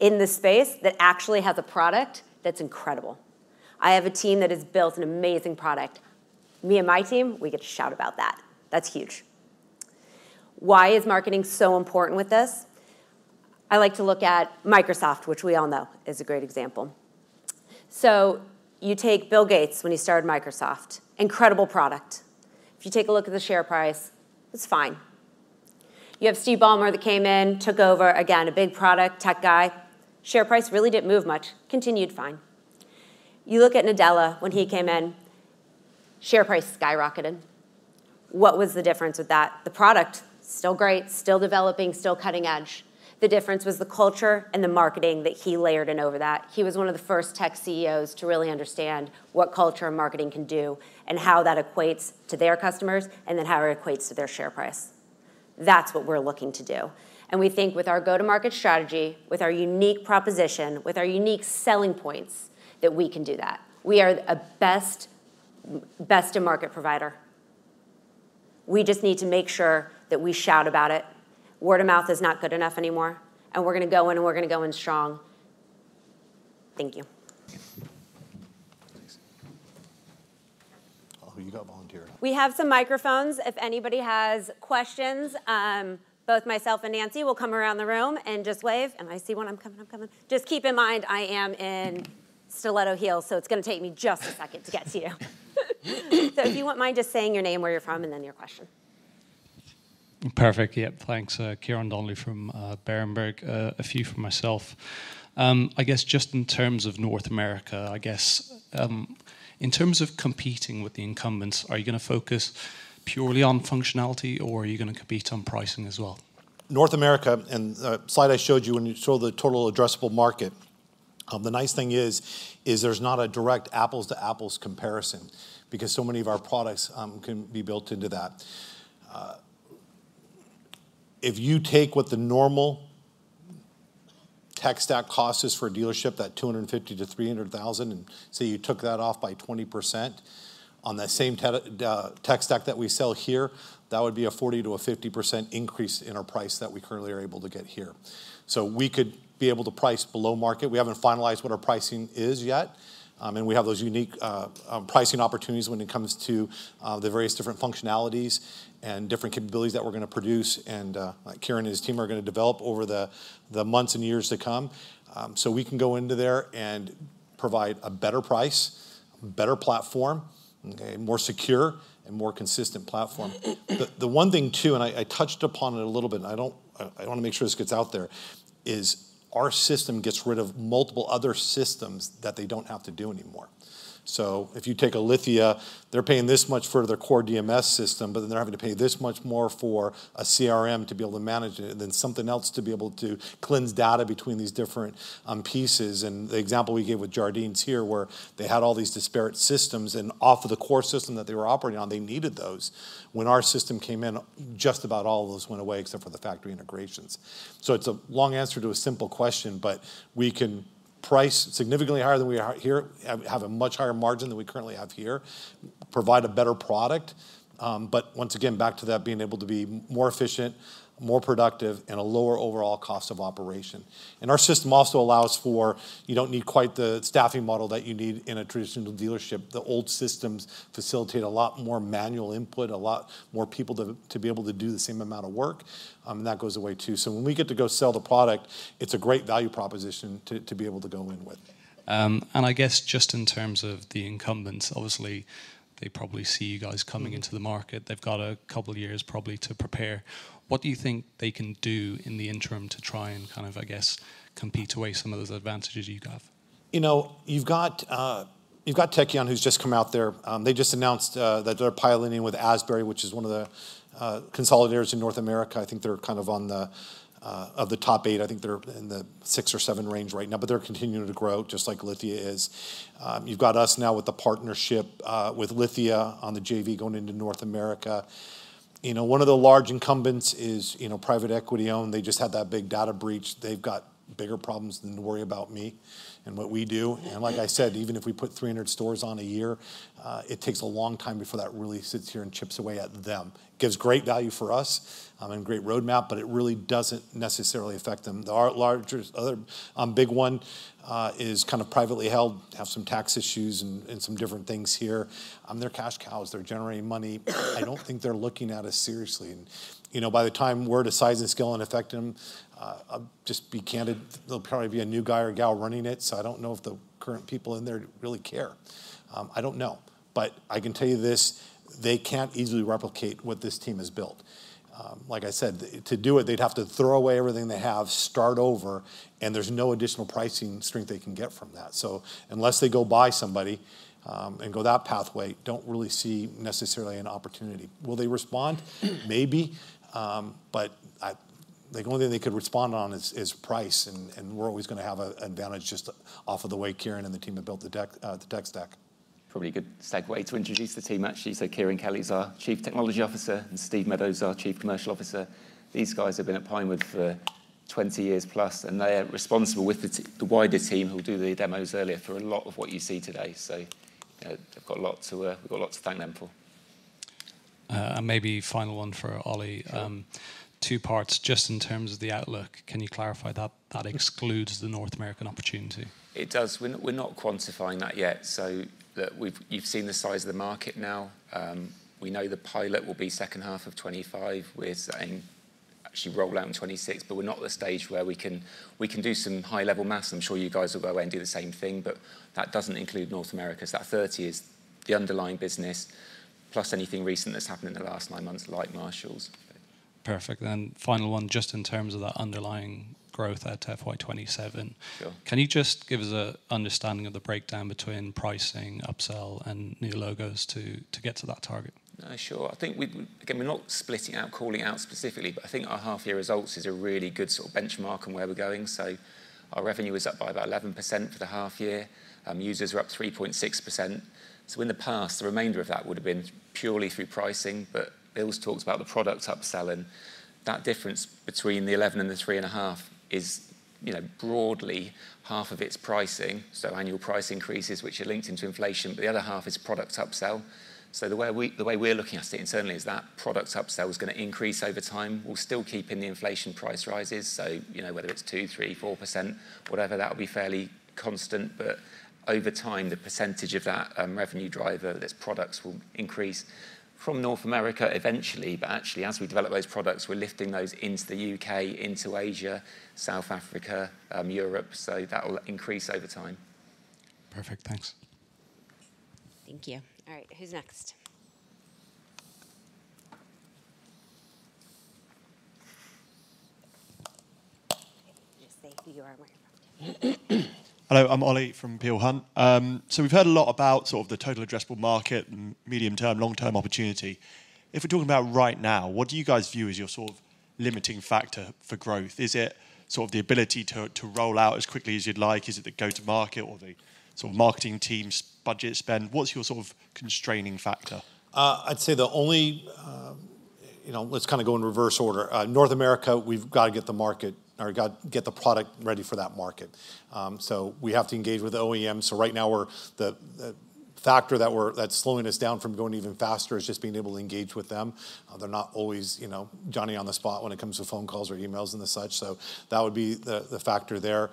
in this space that actually has a product that's incredible. I have a team that has built an amazing product. Me and my team, we get to shout about that. That's huge. Why is marketing so important with this? I like to look at Microsoft, which we all know is a great example. So you take Bill Gates when he started Microsoft, incredible product. If you take a look at the share price, it's fine. You have Steve Ballmer that came in, took over, again, a big product, tech guy. Share price really didn't move much, continued fine. You look at Nadella, when he came in, share price skyrocketed. What was the difference with that? The product, still great, still developing, still cutting edge. The difference was the culture and the marketing that he layered in over that. He was one of the first tech CEOs to really understand what culture and marketing can do and how that equates to their customers, and then how it equates to their share price. That's what we're looking to do, and we think with our go-to-market strategy, with our unique proposition, with our unique selling points, that we can do that. We are a best, best-in-market provider. We just need to make sure that we shout about it. Word of mouth is not good enough anymore, and we're going to go in, and we're going to go in strong. Thank you.
Thanks. Oh, you got volunteered.
We have some microphones. If anybody has questions, both myself and Nancy will come around the room and just wave, and I see one. I'm coming, I'm coming. Just keep in mind, I am in stiletto heels, so it's going to take me just a second to get to you. So if you wouldn't mind just saying your name, where you're from, and then your question.
Perfect. Yep, thanks. Kieran Donnelly from Berenberg. A few from myself. Just in terms of North America, in terms of competing with the incumbents, are you going to focus purely on functionality, or are you going to compete on pricing as well?
North America, and the slide I showed you when you show the total addressable market, the nice thing is, is there's not a direct apples-to-apples comparison because so many of our products can be built into that. If you take what the normal tech stack cost is for a dealership, that $250,000-$300,000, and say you took that off by 20% on that same tech stack that we sell here, that would be a 40%-50% increase in our price that we currently are able to get here. So we could be able to price below market. We haven't finalized what our pricing is yet, and we have those unique pricing opportunities when it comes to the various different functionalities and different capabilities that we're going to produce, and like Kieran and his team are going to develop over the months and years to come. So we can go into there and provide a better price, better platform, okay, more secure and more consistent platform. The one thing, too, and I touched upon it a little bit, and I want to make sure this gets out there, is our system gets rid of multiple other systems that they don't have to do anymore. So if you take a Lithia, they're paying this much for their core DMS system, but then they're having to pay this much more for a CRM to be able to manage it, and then something else to be able to cleanse data between these different pieces. And the example we gave with Jardine here, where they had all these disparate systems, and off of the core system that they were operating on, they needed those. When our system came in, just about all of those went away, except for the factory integrations. So it's a long answer to a simple question, but we can price significantly higher than we are here, have a much higher margin than we currently have here, provide a better product. But once again, back to that, being able to be more efficient, more productive, and a lower overall cost of operation. And our system also allows for, you don't need quite the staffing model that you need in a traditional dealership. The old systems facilitate a lot more manual input, a lot more people to be able to do the same amount of work, and that goes away, too. So when we get to go sell the product, it's a great value proposition to be able to go in with.
And just in terms of the incumbents, obviously, they probably see you guys coming into the market. They've got a couple of years probably to prepare. What do you think they can do in the interim to try and, compete away some of those advantages you have?
You know, you've got Tekion, who's just come out there. They just announced that they're piloting with Asbury, which is one of the consolidators in North America. They're one of the top eight. They're in the six or seven range right now, but they're continuing to grow, just like Lithia is. You've got us now with the partnership with Lithia on the JV going into North America. You know, one of the large incumbents is, you know, private equity-owned. They just had that big data breach. They've got bigger problems than to worry about me and what we do. And like I said, even if we put 300 stores a year, it takes a long time before that really sits here and chips away at them. Gives great value for us, and great roadmap, but it really doesn't necessarily affect them. There are larger, other, big one, is privately held, have some tax issues and, and some different things here. They're cash cows. They're generating money. I don't think they're looking at us seriously. You know, by the time we're to size and scale and affect them, I'll just be candid, there'll probably be a new guy or gal running it, so I don't know if the current people in there really care. I don't know. But I can tell you this: they can't easily replicate what this team has built, like I said, to do it, they'd have to throw away everything they have, start over, and there's no additional pricing strength they can get from that. So unless they go buy somebody, and go that pathway, don't really see necessarily an opportunity. Will they respond? Maybe. But the only thing they could respond on is price, and we're always gonna have an advantage just off of the way Kieran and the team have built the tech, the tech stack.
Probably a good segue to introduce the team, actually. So Kieran Kelly is our Chief Technology Officer, and Steve Meadows, our Chief Commercial Officer. These guys have been at Pinewood for twenty years plus, and they are responsible with the the wider team who did the demos earlier for a lot of what you see today. So, they've got a lot to, we've got a lot to thank them for.
And maybe final one for Ollie.
Sure.
Two parts, just in terms of the outlook, can you clarify that that excludes the North American opportunity?
It does. We're not quantifying that yet, so we've... you've seen the size of the market now. We know the pilot will be second half of 2025. We're saying actually roll out in 2026, but we're not at the stage where we can. We can do some high-level math. I'm sure you guys will go away and do the same thing, but that doesn't include North America. So that 30 is the underlying business, plus anything recent that's happened in the last nine months, like Marshall.
Perfect. Then final one, just in terms of that underlying growth at FY27-
Sure.
Can you just give us an understanding of the breakdown between pricing, upsell, and new logos to, to get to that target?
Sure. We, again, we're not splitting out, calling out specifically, but our half-year results is a really good benchmark on where we're going, so our revenue is up by about 11% for the half year. Users are up 3.6%, so in the past, the remainder of that would have been purely through pricing, but Bill's talked about the product upselling. That difference between the 11 and the 3.5 is, you know, broadly half of its pricing, so annual price increases, which are linked into inflation, but the other half is product upsell, so the way we're looking at it, and certainly is that product upsell is gonna increase over time. We'll still keep in the inflation price rises, so, you know, whether it's two, three, four %, whatever, that will be fairly constant. But over time, the percentage of that, revenue driver, that's products, will increase from North America eventually, but actually, as we develop those products, we're lifting those into the UK, into Asia, South Africa, Europe, so that will increase over time.
Perfect, thanks.
Thank you. All right, who's next? Just say who you are and where you're from.
Hello, I'm Ollie from Peel Hunt. So we've heard a lot about the total addressable market and medium-term, long-term opportunity. If we're talking about right now, what do you guys view as your limiting factor for growth? Is it the ability to roll out as quickly as you'd like? Is it the go-to-market or the marketing team's budget spend? What's your constraining factor?
I'd say the only. Let's go in reverse order. North America, we've got to get the product ready for that market. So we have to engage with the OEMs. So right now, the factor that's slowing us down from going even faster is just being able to engage with them. They're not always, you know, Johnny-on-the-spot when it comes to phone calls or emails and the such, so that would be the factor there.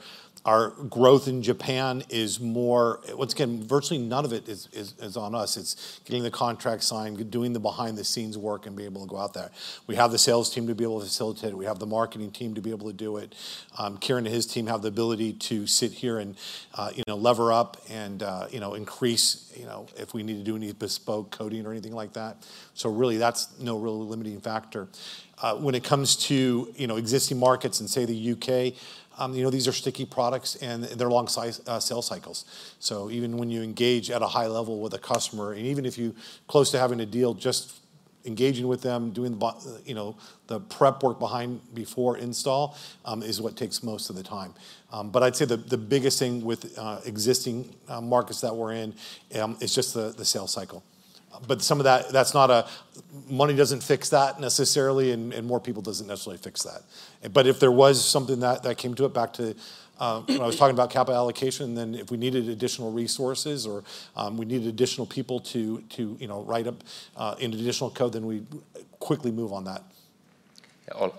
Our growth in Japan is more- once again, virtually none of it is on us. It's getting the contract signed, doing the behind-the-scenes work and being able to go out there. We have the sales team to be able to facilitate it. We have the marketing team to be able to do it. Kieran and his team have the ability to sit here and, you know, lever up and, you know, increase, you know, if we need to do any bespoke coding or anything like that. Really, that's no real limiting factor. When it comes to, you know, existing markets in, say, the UK, you know, these are sticky products, and they're long sales cycles. Even when you engage at a high level with a customer, and even if you close to having a deal, just engaging with them, doing the, you know, the prep work behind before install is what takes most of the time. But I'd say the biggest thing with existing markets that we're in is just the sales cycle. But some of that, that's not money doesn't fix that necessarily, and, and more people doesn't necessarily fix that. But if there was something that, that came to it, back to, when I was talking about capital allocation, then if we needed additional resources or, we needed additional people to, to, you know, write up, additional code, then we'd quickly move on that.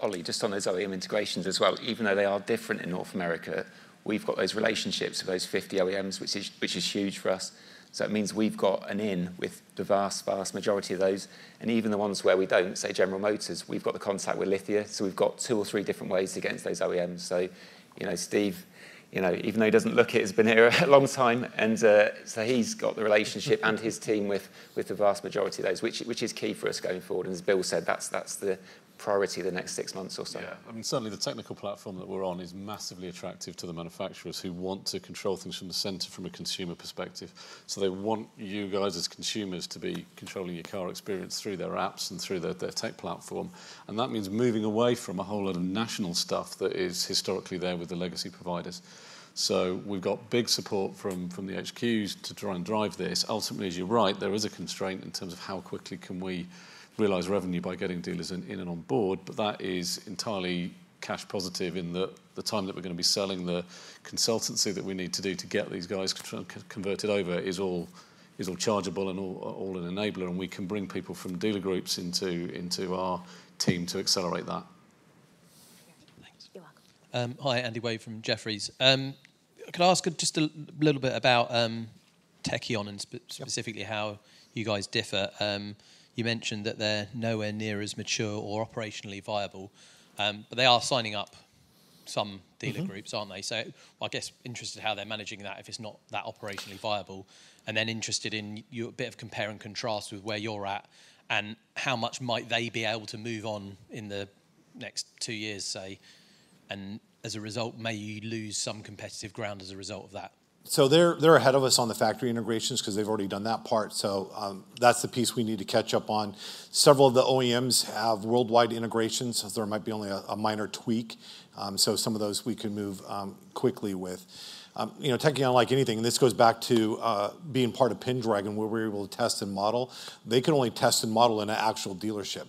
Ollie, just on those OEM integrations as well, even though they are different in North America, we've got those relationships with those 50 OEMs, which is huge for us. So it means we've got an in with the vast, vast majority of those, and even the ones where we don't, say, General Motors, we've got the contact with Lithia, so we've got two or three different ways to get into those OEMs. So, you know, Steve, you know, even though he doesn't look it, he's been here a long time, and so he's got the relationship and his team with the vast majority of those, which is key for us going forward. And as Bill said, that's the priority the next six months or so.
Certainly the technical platform that we're on is massively attractive to the manufacturers who want to control things from the center from a consumer perspective. So they want you guys, as consumers, to be controlling your car experience through their apps and through their tech platform. And that means moving away from a whole lot of national stuff that is historically there with the legacy providers. So we've got big support from the HQs to try and drive this. Ultimately, as you're right, there is a constraint in terms of how quickly can we realize revenue by getting dealers in and on board, but that is entirely cash positive in that the time that we're going to be selling, the consultancy that we need to do to get these guys converted over is all chargeable and all an enabler, and we can bring people from dealer groups into our team to accelerate that.
Thanks.
You're welcome.
Hi, Andy Wade from Jefferies. Could I ask just a little bit about, Tekion and sp-
Sure...
specifically how you guys differ? You mentioned that they're nowhere near as mature or operationally viable, but they are signing up-... some dealer groups-
Mm-hmm
Aren't they? So interested in how they're managing that, if it's not that operationally viable, and then interested in your bit of compare and contrast with where you're at, and how much might they be able to move on in the next two years, say, and as a result, may you lose some competitive ground as a result of that?
So they're ahead of us on the factory integrations 'cause they've already done that part. So, that's the piece we need to catch up on. Several of the OEMs have worldwide integrations, so there might be only a minor tweak. So some of those we can move quickly with. You know, Tekion, like anything, and this goes back to being part of Pendragon, where we were able to test and model. They can only test and model in an actual dealership.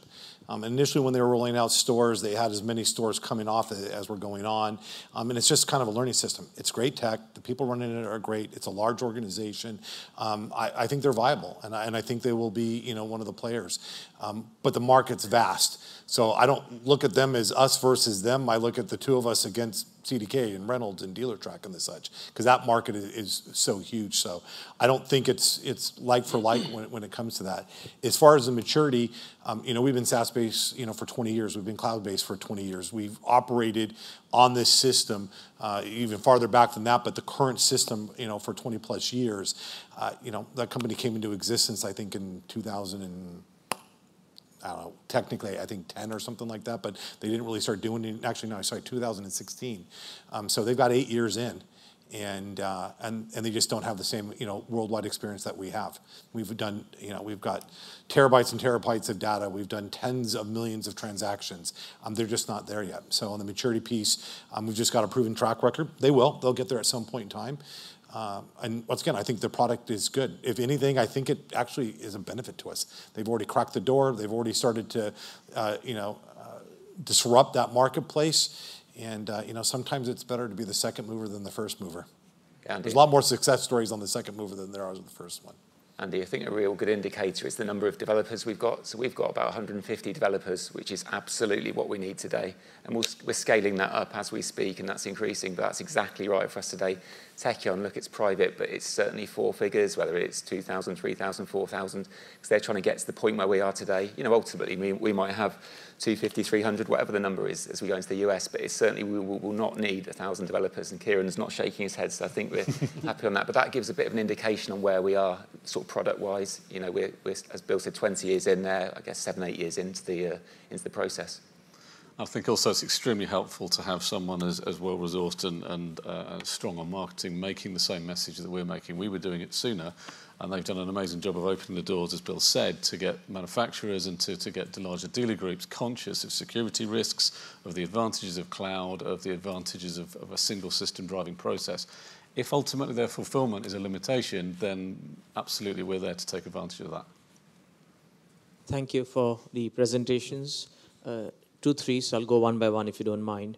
Initially, when they were rolling out stores, they had as many stores coming off as were going on. And it's just a learning system. It's great tech. The people running it are great. It's a large organization. They're viable, and they will be, you know, one of the players. But the market's vast, so I don't look at them as us versus them. I look at the two of us against CDK, and Reynolds, and Dealertrack, and the such, 'cause that market is so huge. So I don't think it's like for like when it comes to that. As far as the maturity, you know, we've been SaaS-based, you know, for twenty years. We've been cloud-based for twenty years. We've operated on this system, even farther back than that, but the current system, you know, for twenty-plus years. You know, that company came into existence in 2000 and, I don't know, technically, 2010 or something like that, but they didn't really start doing. Actually, no, sorry, 2016. So they've got eight years in, and they just don't have the same, you know, worldwide experience that we have. You know, we've got terabytes and terabytes of data. We've done tens of millions of transactions. They're just not there yet. So on the maturity piece, we've just got a proven track record. They will, they'll get there at some point in time. And once again, their product is good. If anything, it actually is a benefit to us. They've already cracked the door. They've already started to, you know, disrupt that marketplace, and, you know, sometimes it's better to be the second mover than the first mover.
Andy?
There's a lot more success stories on the second mover than there are on the first one.
Andy, a real good indicator is the number of developers we've got. So we've got about 150 developers, which is absolutely what we need today, and we're scaling that up as we speak, and that's increasing, but that's exactly right for us today. Tekion, look, it's private, but it's certainly four figures, whether it's 2,000, 3,000, 4,000, 'cause they're trying to get to the point where we are today. You know, ultimately, we might have 250, 300, whatever the number is, as we go into the U.S., but it's certainly we will not need 1,000 developers, and Kieran is not shaking his head, so we're happy on that. But that gives a bit of an indication on where we are, product-wise. You know, we're, as Bill said, twenty years in there. Seven, eight years into the process.
Also it's extremely helpful to have someone as well-resourced and strong on marketing, making the same message that we're making. We were doing it sooner, and they've done an amazing job of opening the doors, as Bill said, to get manufacturers and to get the larger dealer groups conscious of security risks, of the advantages of cloud, of the advantages of a single system driving process. If ultimately their fulfillment is a limitation, then absolutely, we're there to take advantage of that. Thank you for the presentations. Two, three, so I'll go one by one, if you don't mind.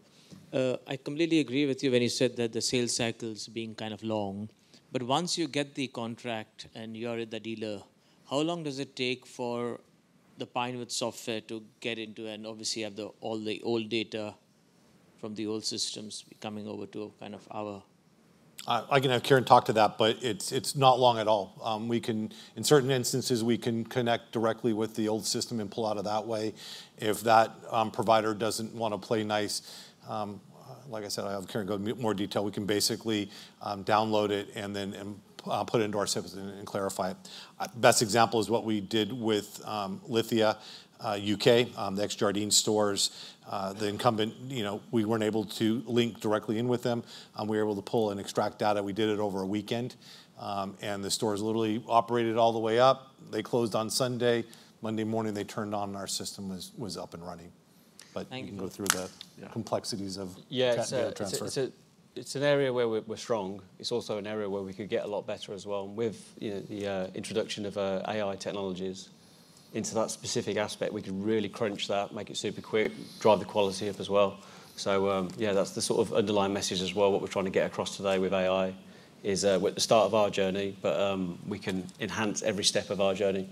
I completely agree with you when you said that the sales cycle is being long, but once you get the contract and you are at the dealer, how long does it take for the Pinewood software to get into and obviously have the, all the old data from the old systems coming over to our,
I can have Kieran talk to that, but it's not long at all. In certain instances, we can connect directly with the old system and pull out of that way. If that provider doesn't wanna play nice, like I said, I'll have Kieran go into more detail. We can basically download it and then put it into our system and clarify it. Best example is what we did with Lithia UK, the ex Jardine stores. The incumbent, you know, we weren't able to link directly in with them. We were able to pull and extract data. We did it over a weekend, and the stores literally operated all the way up. They closed on Sunday. Monday morning, they turned on, and our system was up and running. Thank you. But we can go through the-
Yeah...
complexities of-
Yeah
-data transfer.
It's an area where we're strong. It's also an area where we could get a lot better as well. And with you know the introduction of AI technologies into that specific aspect, we can really crunch that, make it super quick, drive the quality up as well. So that's the underlying message as well. What we're trying to get across today with AI is, we're at the start of our journey, but we can enhance every step of our journey,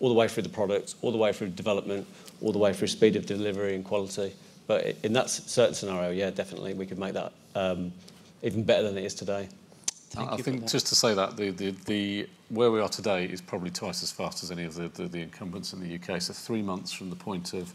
all the way through the product, all the way through development, all the way through speed of delivery and quality. But in that certain scenario, definitely, we could make that even better than it is today. Thank you.
Just to say that the where we are today is probably twice as fast as any of the incumbents in the UK. So three months from the point of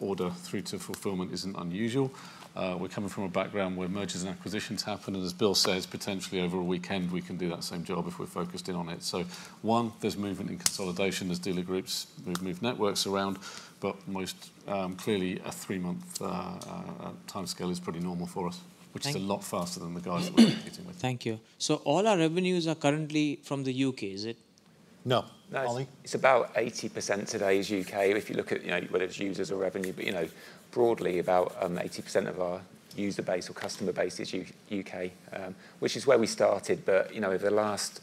order through to fulfillment isn't unusual. We're coming from a background where mergers and acquisitions happen, and as Bill says, potentially over a weekend, we can do that same job if we're focused in on it. So one, there's movement in consolidation as dealer groups move networks around, but most clearly, a three-month timescale is pretty normal for us- Thank-... which is a lot faster than the guys we're competing with. Thank you. So all our revenues are currently from the UK, is it?
No.
No.
Ollie?
It's about 80% today is UK, if you look at, you know, whether it's users or revenue, but, you know, broadly, about 80% of our user base or customer base is UK, which is where we started. But, you know, over the last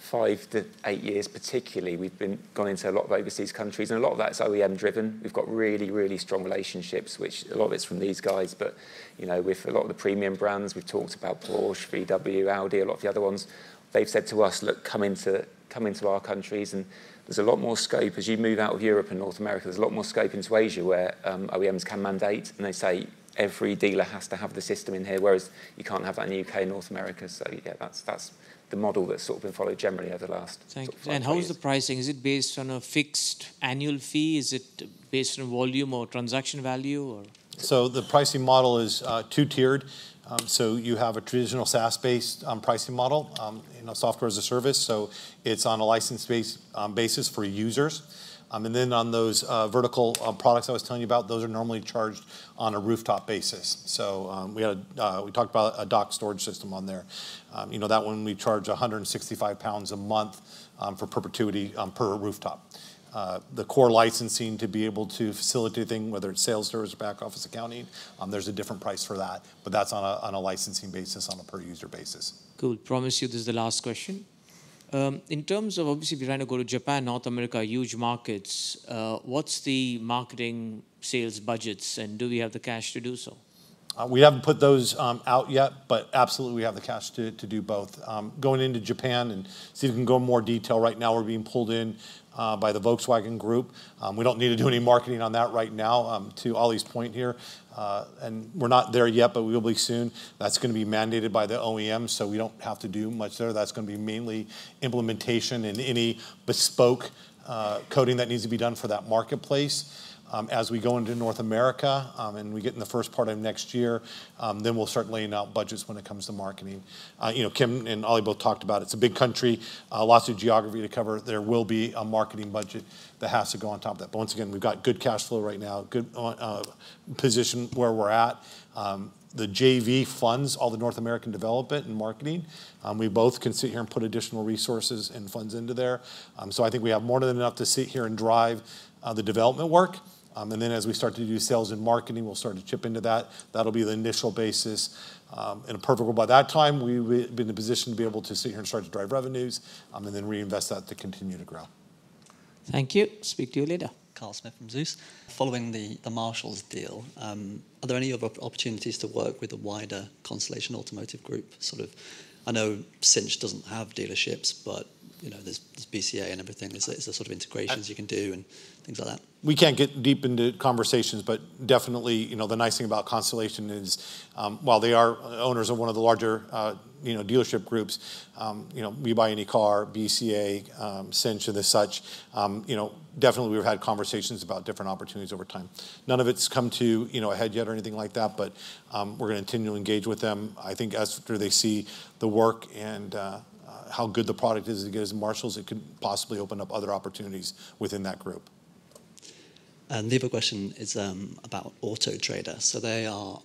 five to eight years particularly, we've gone into a lot of overseas countries, and a lot of that is OEM driven. We've got really, really strong relationships, which a lot of it's from these guys, but, you know, with a lot of the premium brands, we've talked about Porsche, VW, Audi, a lot of the other ones. They've said to us: "Look, come into, come into our countries," and there's a lot more scope. As you move out of Europe and North America, there's a lot more scope into Asia, where OEMs can mandate, and they say every dealer has to have the system in here, whereas you can't have that in the UK, North America. So that's the model that's been followed generally over the last five years. Thank you. And how is the pricing? Is it based on a fixed annual fee? Is it based on volume or transaction value or?
The pricing model is two-tiered. You have a traditional SaaS-based pricing model. You know, software as a service, so it's on a license-based basis for users. And then on those vertical products I was telling you about, those are normally charged on a rooftop basis. So we talked about a DMS on there. You know, that one, we charge 165 pounds a month for perpetuity per rooftop. The core licensing to be able to facilitate anything, whether it's sales, service, or back office accounting, there's a different price for that, but that's on a licensing basis, on a per-user basis. Cool. Promise you, this is the last question. In terms of obviously, we're trying to go to Japan, North America, huge markets, what's the marketing sales budgets, and do we have the cash to do so? We haven't put those out yet, but absolutely, we have the cash to do both. Going into Japan and see if we can go in more detail, right now, we're being pulled in by the Volkswagen Group. We don't need to do any marketing on that right now, to Ollie's point here. We're not there yet, but we will be soon. That's gonna be mandated by the OEM, so we don't have to do much there. That's gonna be mainly implementation and any bespoke coding that needs to be done for that marketplace. As we go into North America and we get in the first part of next year, then we'll start laying out budgets when it comes to marketing. You know, Kim and Ollie both talked about it. It's a big country, lots of geography to cover. There will be a marketing budget that has to go on top of that. But once again, we've got good cash flow right now, good position where we're at. The JV funds all the North American development and marketing. We both can sit here and put additional resources and funds into there. So we have more than enough to sit here and drive the development work. And then as we start to do sales and marketing, we'll start to chip into that. That'll be the initial basis. In a perfect world, by that time, we will be in a position to be able to sit here and start to drive revenues, and then reinvest that to continue to grow. Thank you. Speak to you later.
Carl Smith from Zeus. Following the Marshall's deal, are there any other opportunities to work with the wider Constellation Automotive Group? I know cinch doesn't have dealerships, but, you know, there's BCA and everything. There's integrations you can do and things like that.
We can't get deep into conversations, but definitely, you know, the nice thing about Constellation is, while they are owners of one of the larger, you know, dealership groups, you know, We Buy Any Car, BCA, cinch, and the such, you know, definitely we've had conversations about different opportunities over time. None of it's come to, you know, a head yet or anything like that, but, we're gonna continue to engage with them. As after they see the work and, how good the product is, as good as Marshall, it could possibly open up other opportunities within that group.
The other question is about Auto Trader. So they are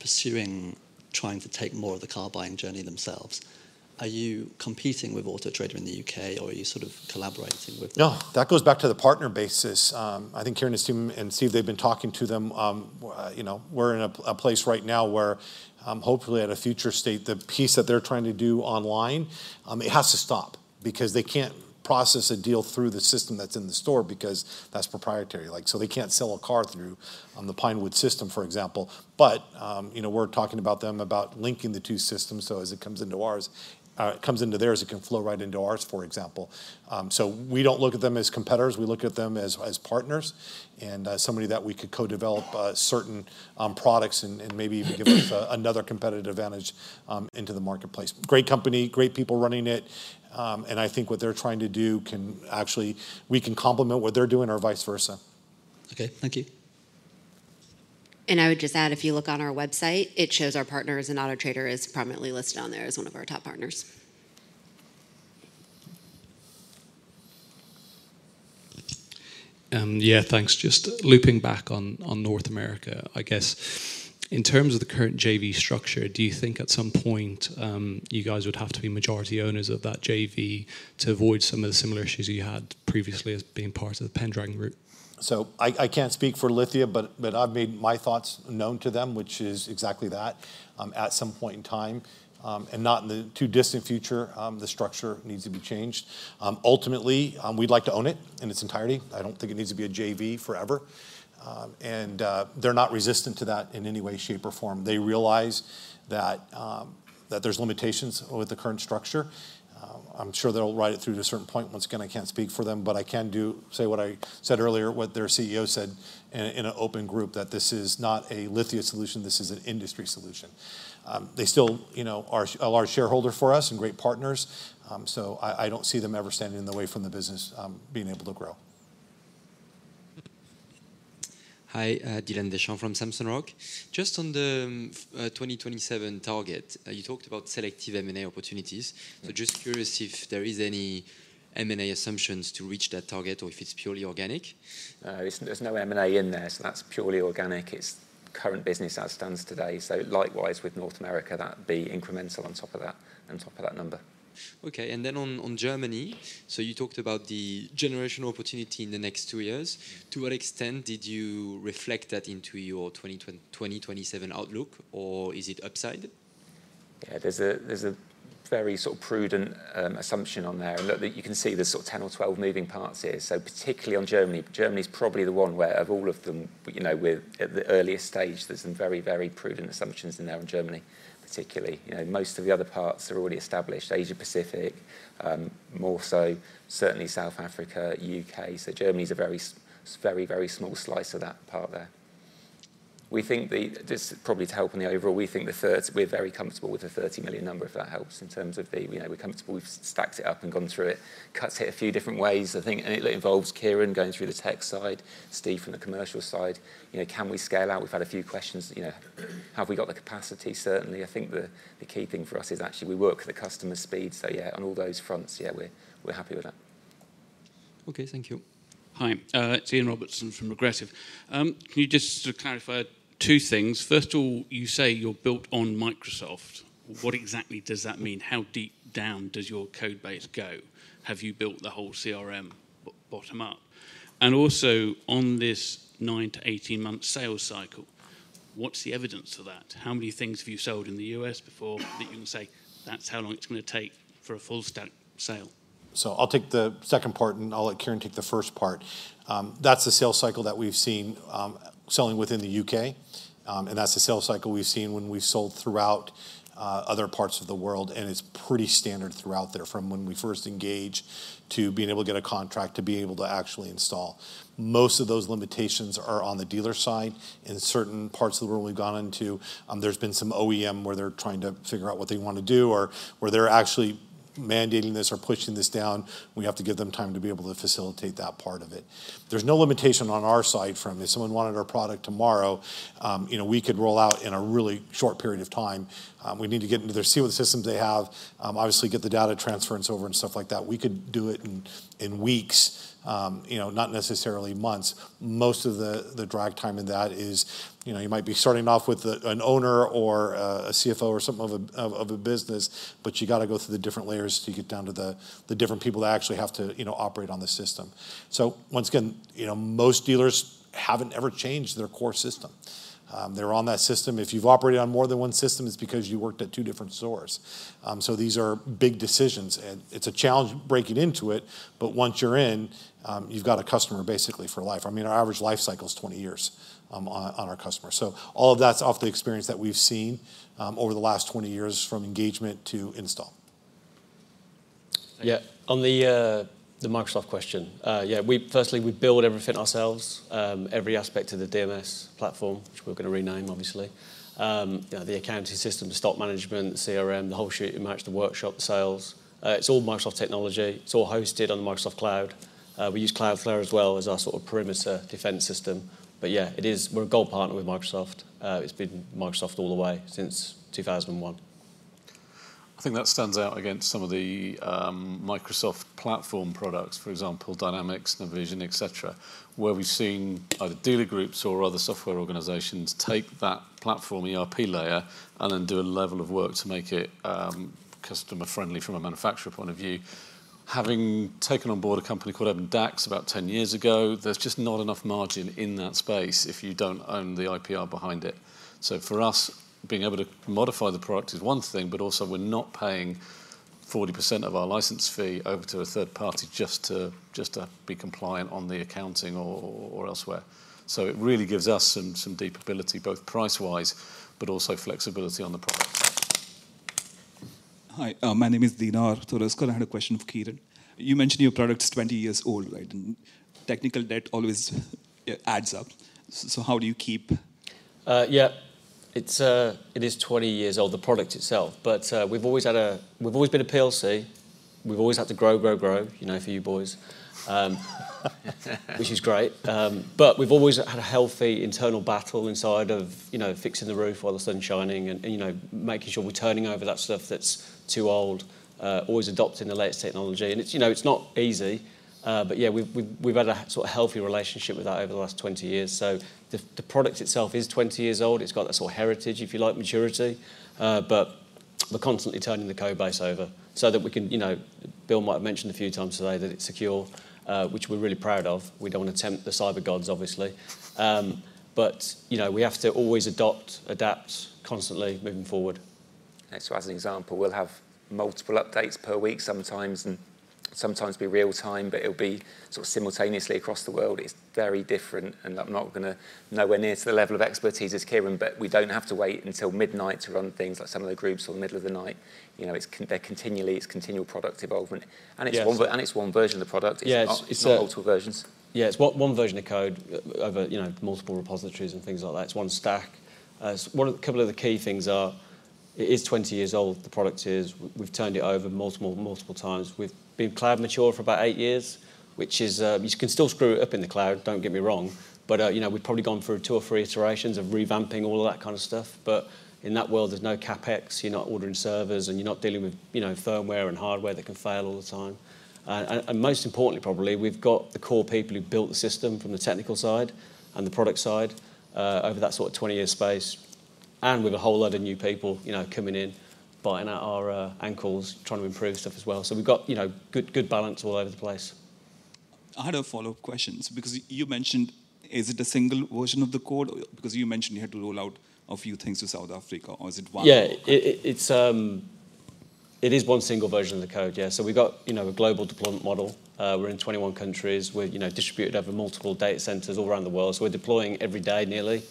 pursuing trying to take more of the car buying journey themselves. Are you competing with Auto Trader in the UK, or are you collaborating with them?
No, that goes back to the partner basis. Kieran and Steve, and Steve, they've been talking to them. You know, we're in a place right now where, hopefully, at a future state, the piece that they're trying to do online, it has to stop because they can't process a deal through the system that's in the store because that's proprietary. Like, so they can't sell a car through the Pinewood system, for example. But, you know, we're talking about them, about linking the two systems, so as it comes into ours, it comes into theirs, it can flow right into ours, for example. So we don't look at them as competitors, we look at them as partners and somebody that we could co-develop certain products and maybe even give us another competitive advantage into the marketplace. Great company, great people running it, and what they're trying to do. Actually, we can complement what they're doing or vice versa.
Okay, thank you.
I would just add, if you look on our website, it shows our partners, and Auto Trader is prominently listed on there as one of our top partners.
Thanks. Just looping back on North America. In terms of the current JV structure, do you think at some point you guys would have to be majority owners of that JV to avoid some of the similar issues you had previously as being part of the Pendragon Group?
So I can't speak for Lithia, but I've made my thoughts known to them, which is exactly that. At some point in time, and not in the too distant future, the structure needs to be changed. Ultimately, we'd like to own it in its entirety. I don't think it needs to be a JV forever. And they're not resistant to that in any way, shape, or form. They realize that there's limitations with the current structure. I'm sure they'll ride it through to a certain point. Once again, I can't speak for them, but I can say what I said earlier, what their CEO said in an open group, that this is not a Lithia solution, this is an industry solution. They still, you know, are a large shareholder for us and great partners, so I don't see them ever standing in the way from the business being able to grow.
Hi, Dylan Deschamps from Samson Rock. Just on the twenty twenty-seven target, you talked about selective M&A opportunities. So just curious if there is any M&A assumptions to reach that target or if it's purely organic.
There's no M&A in there, so that's purely organic. It's current business as it stands today. So likewise with North America, that would be incremental on top of that, on top of that number.
Okay, and then on Germany, so you talked about the generational opportunity in the next two years. To what extent did you reflect that into your 2027 outlook, or is it upside?
There's a very prudent assumption on there, and look, that you can see there's 10 or 12 moving parts here. So particularly on Germany, Germany's probably the one where, of all of them, you know, we're at the earliest stage, there's some very, very prudent assumptions in there on Germany, particularly. You know, most of the other parts are already established. Asia Pacific, more so certainly South Africa, UK. So Germany's a very very small slice of that part there. We think this is probably to help in the overall, we think we're very comfortable with the 30 million number, if that helps, in terms of the... You know, we're comfortable. We've stacked it up and gone through it, cuts it a few different ways. It involves Kieran going through the tech side, Steve from the commercial side. You know, can we scale out? We've had a few questions, you know, have we got the capacity? Certainly, the key thing for us is actually we work at the customer speed. So, on all those fronts we're happy with that.
Okay, thank you. Hi, it's Ian Robertson from Progressive. Can you just clarify two things? First of all, you say you're built on Microsoft. What exactly does that mean? How deep down does your code base go? Have you built the whole CRM bottom up? And also, on this nine- to 18-month sales cycle, what's the evidence of that? How many things have you sold in the U.S. before that you can say, "That's how long it's going to take for a full stack sale?
So I'll take the second part, and I'll let Kieran take the first part. That's the sales cycle that we've seen selling within the UK. And that's the sales cycle we've seen when we've sold throughout other parts of the world, and it's pretty standard throughout there. From when we first engage, to being able to get a contract, to being able to actually install. Most of those limitations are on the dealer side. In certain parts of the world we've gone into, there's been some OEM where they're trying to figure out what they want to do, or where they're actually mandating this or pushing this down. We have to give them time to be able to facilitate that part of it. There's no limitation on our side from if someone wanted our product tomorrow, you know, we could roll out in a really short period of time. We'd need to get into there, see what the systems they have, obviously, get the data transference over and stuff like that. We could do it in weeks, you know, not necessarily months. Most of the drag time in that is, you know, you might be starting off with an owner or a CFO or something of a business, but you got to go through the different layers to get down to the different people that actually have to, you know, operate on the system. So once again, you know, most dealers haven't ever changed their core system. They're on that system. If you've operated on more than one system, it's because you worked at two different stores. So these are big decisions, and it's a challenge breaking into it, but once you're in, you've got a customer basically for life. Our average life cycle is 20 years, on our customer. So all of that's off the experience that we've seen, over the last 20 years, from engagement to install.
Thank you.
On the Microsoft question. Firstly, we build everything ourselves, every aspect of the DMS platform, which we're going to rename, obviously. You know, the accounting system, the stock management, CRM, the whole shebang, it matches the workshop, the sales. It's all Microsoft technology. It's all hosted on the Microsoft Cloud. We use Cloudflare as well as our perimeter defense system. But it is. We're a Gold Partner with Microsoft. It's been Microsoft all the way since 2001.
That stands out against some of the Microsoft platform products, for example, Dynamics, Navision, et cetera, where we've seen either dealer groups or other software organizations take that platform ERP layer and then do a level of work to make it customer friendly from a manufacturer point of view. Having taken on board a company called Ebbon-Dacs about 10 years ago, there's just not enough margin in that space if you don't own the IPR behind it. So for us, being able to modify the product is one thing, but also we're not paying 40% of our license fee over to a third party just to be compliant on the accounting or elsewhere. So it really gives us some deep ability, both price-wise, but also flexibility on the product. Hi, my name is Dinar Torresco. I had a question for Kieran. You mentioned your product is 20 years old, right? And technical debt always adds up. So how do you keep?
It's 20 years old, the product itself. But we've always had a-- we've always been a PLC. We've always had to grow, grow, grow, you know, for you boys... which is great. But we've always had a healthy internal battle inside of, you know, fixing the roof while the sun's shining and, you know, making sure we're turning over that stuff that's too old, always adopting the latest technology. And it's, you know, it's not easy, but we've had a healthy relationship with that over the last 20 years. So the product itself is 20 years old. It's got that heritage, if you like, maturity. But we're constantly turning the code base over so that we can, you know... Bill might have mentioned a few times today that it's secure, which we're really proud of. We don't want to tempt the cyber gods, obviously, but you know, we have to always adopt, adapt, constantly moving forward.
As an example, we'll have multiple updates per week sometimes, and sometimes be real time, but it'll be simultaneously across the world. It's very different, and I'm not going to... nowhere near to the level of expertise as Kieran, but we don't have to wait until midnight to run things like some of the groups or the middle of the night. You know, they're continually, it's continual product involvement.
Yes.
It's one version of the product. It's not multiple versions.
It's one version of code over, you know, multiple repositories and things like that. It's one stack. So one of a couple of the key things are, it is 20 years old, the product is. We've turned it over multiple, multiple times. We've been cloud mature for about eight years, which is, you can still screw it up in the cloud, don't get me wrong, but, you know, we've probably gone through two or three iterations of revamping all of that stuff. But in that world, there's no CapEx, you're not ordering servers, and you're not dealing with, you know, firmware and hardware that can fail all the time. And most importantly, probably, we've got the core people who built the system from the technical side and the product side, over that 20-year space, and with a whole load of new people, you know, coming in, biting at our ankles, trying to improve stuff as well. So we've got, you know, good balance all over the place.... I had a follow-up questions, because you mentioned, is it a single version of the code? Or because you mentioned you had to roll out a few things to South Africa, or is it one?
It's one single version of the code. So we've got, you know, a global deployment model. We're in twenty-one countries. We're, you know, distributed over multiple data centers all around the world. So we're deploying every day nearly,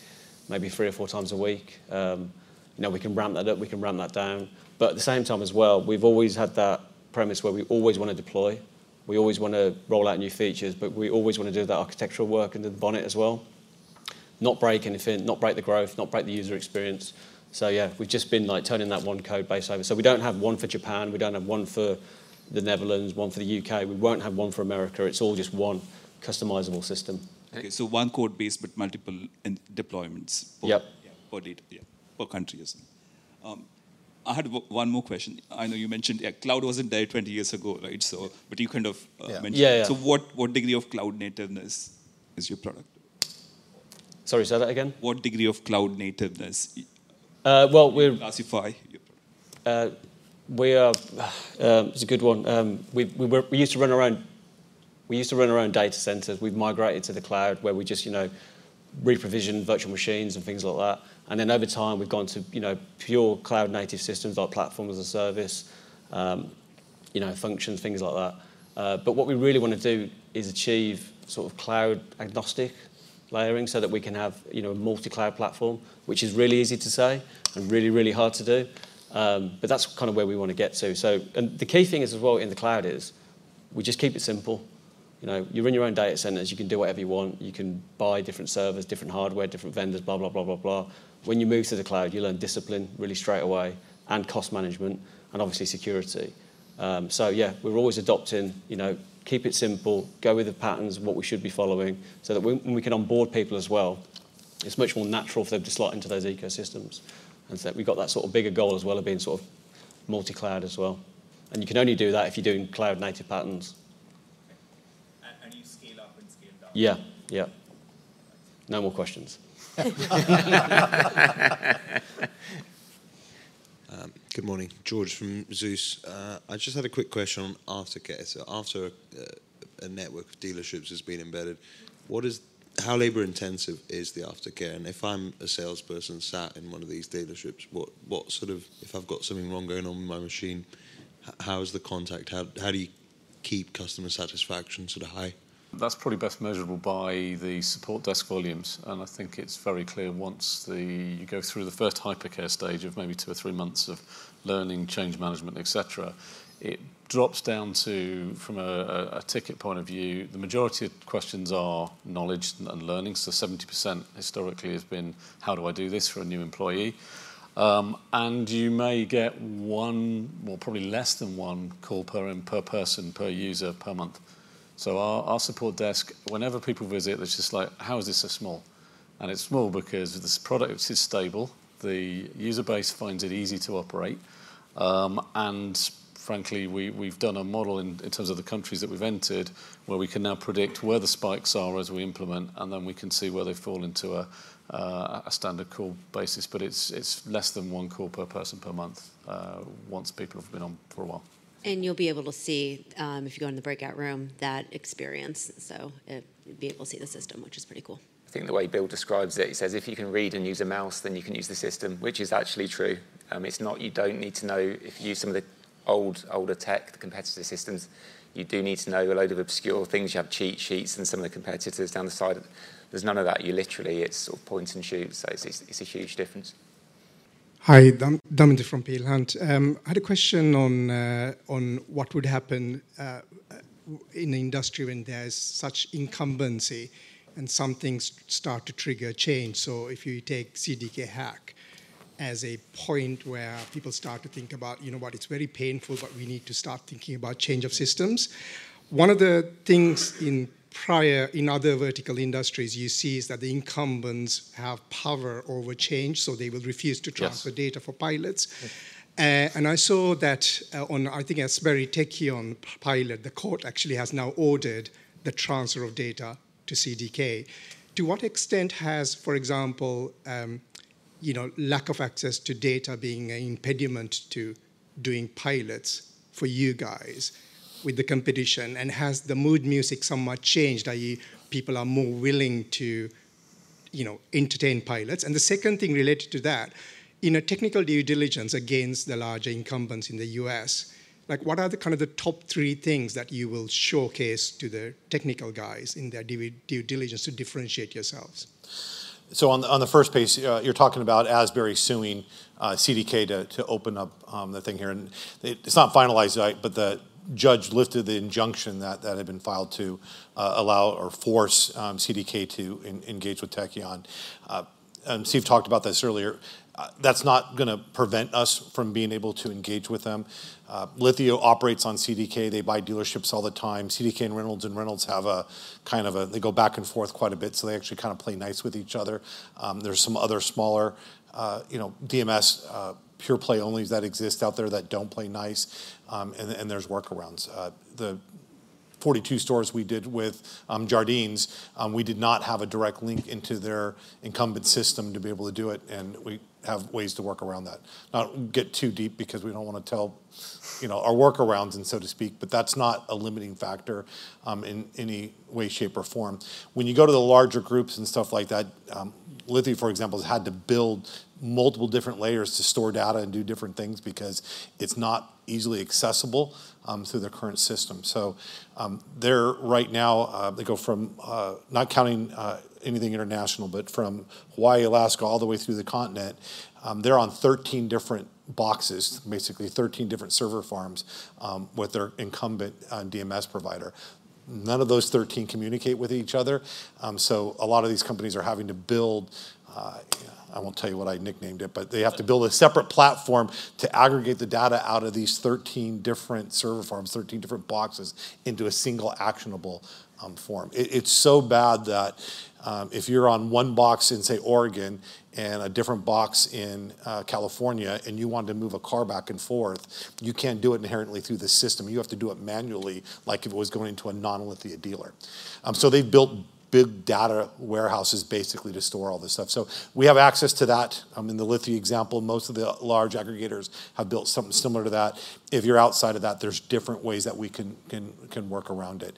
maybe three or four times a week. You know, we can ramp that up, we can ramp that down. But at the same time as well, we've always had that premise where we always wanna deploy, we always wanna roll out new features, but we always wanna do the architectural work under the bonnet as well. Not break anything, not break the growth, not break the user experience. So we've just been, like, turning that one code base over. So we don't have one for Japan, we don't have one for the Netherlands, one for the UK, we won't have one for America. It's all just one customizable system. Okay, so one code base, but multiple in deployments-
Yep. -for data, per country or so I had one more question. I know you mentioned, cloud wasn't there twenty years ago, right? So- Yeah. but you mentioned. What degree of cloud nativeness is your product? Sorry, say that again? What degree of cloud nativeness- Well, we're- Classify your product. We used to run our own data centers. We've migrated to the cloud, where we just, you know, reprovision virtual machines and things like that, and then over time, we've gone to, you know, pure cloud-native systems, our platform as a service, you know, function, things like that, but what we really wanna do is achieve cloud-agnostic layering, so that we can have, you know, a multi-cloud platform, which is really easy to say and really, really hard to do, but that's where we want to get to, so and the key thing is as well in the cloud is we just keep it simple. You know, you run your own data centers, you can do whatever you want. You can buy different servers, different hardware, different vendors, blah, blah, blah, blah, blah. When you move to the cloud, you learn discipline really straight away, and cost management, and obviously security, so we're always adopting, you know, keep it simple, go with the patterns of what we should be following, so that when we can onboard people as well, it's much more natural for them to slot into those ecosystems. And so we've got that bigger goal as well of being multi-cloud as well, and you can only do that if you're doing cloud-native patterns. You scale up and scale down? No more questions.
Good morning, George from Zeus. I just had a quick question on aftercare. So after a network of dealerships has been embedded, what is how labor intensive is the aftercare? And if I'm a salesperson sat in one of these dealerships, what if I've got something wrong going on with my machine, how is the contact? How do you keep customer satisfaction high?
That's probably best measurable by the support desk volumes, and it's very clear once you go through the first hypercare stage of maybe two or three months of learning, change management, et cetera. It drops down to, from a ticket point of view, the majority of questions are knowledge and learning. So 70% historically has been, "How do I do this?" for a new employee, and you may get one, well, probably less than one call per person, per user, per month. So our support desk, whenever people visit, it's just like: How is this so small? It's small because this product is stable, the user base finds it easy to operate, and frankly, we've done a model in terms of the countries that we've entered, where we can now predict where the spikes are as we implement, and then we can see where they fall into a standard call basis. It's less than one call per person per month once people have been on for a while.
And you'll be able to see, if you go in the breakout room, that experience, so, be able to see the system, which is pretty cool.
The way Bill describes it, he says: "If you can read and use a mouse, then you can use the system," which is actually true. It's not, you don't need to know... If you use some of the old, older tech, the competitor systems, you do need to know a load of obscure things. You have cheat sheets, and some of the competitors down the side, there's none of that. You literally, it's point and shoot, so it's a huge difference.
Hi, I'm Damindi from Peel Hunt. I had a question on what would happen in an industry when there's such incumbency and some things start to trigger change. So if you take CDK hack as a point where people start to think about, you know what? It's very painful, but we need to start thinking about change of systems. One of the things in other vertical industries, you see is that the incumbents have power over change, so they will refuse to-
Yes...
transfer data for pilots. And I saw that, on, Asbury, Tekion pilot, the court actually has now ordered the transfer of data to CDK. To what extent has, for example, you know, lack of access to data being an impediment to doing pilots for you guys with the competition? And has the mood music somewhat changed, that you, people are more willing to, you know, entertain pilots? And the second thing related to that, in a technical due diligence against the larger incumbents in the U.S., like, what are the the top three things that you will showcase to the technical guys in their due diligence to differentiate yourselves?
On the first page, you're talking about Asbury suing CDK to open up the thing here, and it's not finalized, right? The judge lifted the injunction that had been filed to allow or force CDK to engage with Tekion. Steve talked about this earlier. That's not gonna prevent us from being able to engage with them. Lithia operates on CDK. They buy dealerships all the time. CDK and Reynolds and Reynolds have a they go back and forth quite a bit, so they actually play nice with each other. There's some other smaller, you know, DMS pure play onlys that exist out there that don't play nice, and there's workarounds. The-...
42 stores we did with Jardine, we did not have a direct link into their incumbent system to be able to do it, and we have ways to work around that. Not get too deep because we don't wanna tell, you know, our workarounds and so to speak, but that's not a limiting factor in any way, shape, or form. When you go to the larger groups and stuff like that, Lithia, for example, has had to build multiple different layers to store data and do different things because it's not easily accessible through their current system. So, they're right now, they go from not counting anything international, but from Hawaii, Alaska, all the way through the continent, they're on 13 different boxes, basically 13 different server farms with their incumbent DMS provider. None of those 13 communicate with each other. So a lot of these companies are having to build, I won't tell you what I nicknamed it, but they have to build a separate platform to aggregate the data out of these 13 different server farms, 13 different boxes, into a single actionable, form. It, it's so bad that, if you're on one box in, say, Oregon, and a different box in, California, and you want to move a car back and forth, you can't do it inherently through the system. You have to do it manually, like if it was going into a non-Lithia dealer. So they've built big data warehouses, basically, to store all this stuff. So we have access to that. In the Lithia example, most of the large aggregators have built something similar to that. If you're outside of that, there's different ways that we can work around it.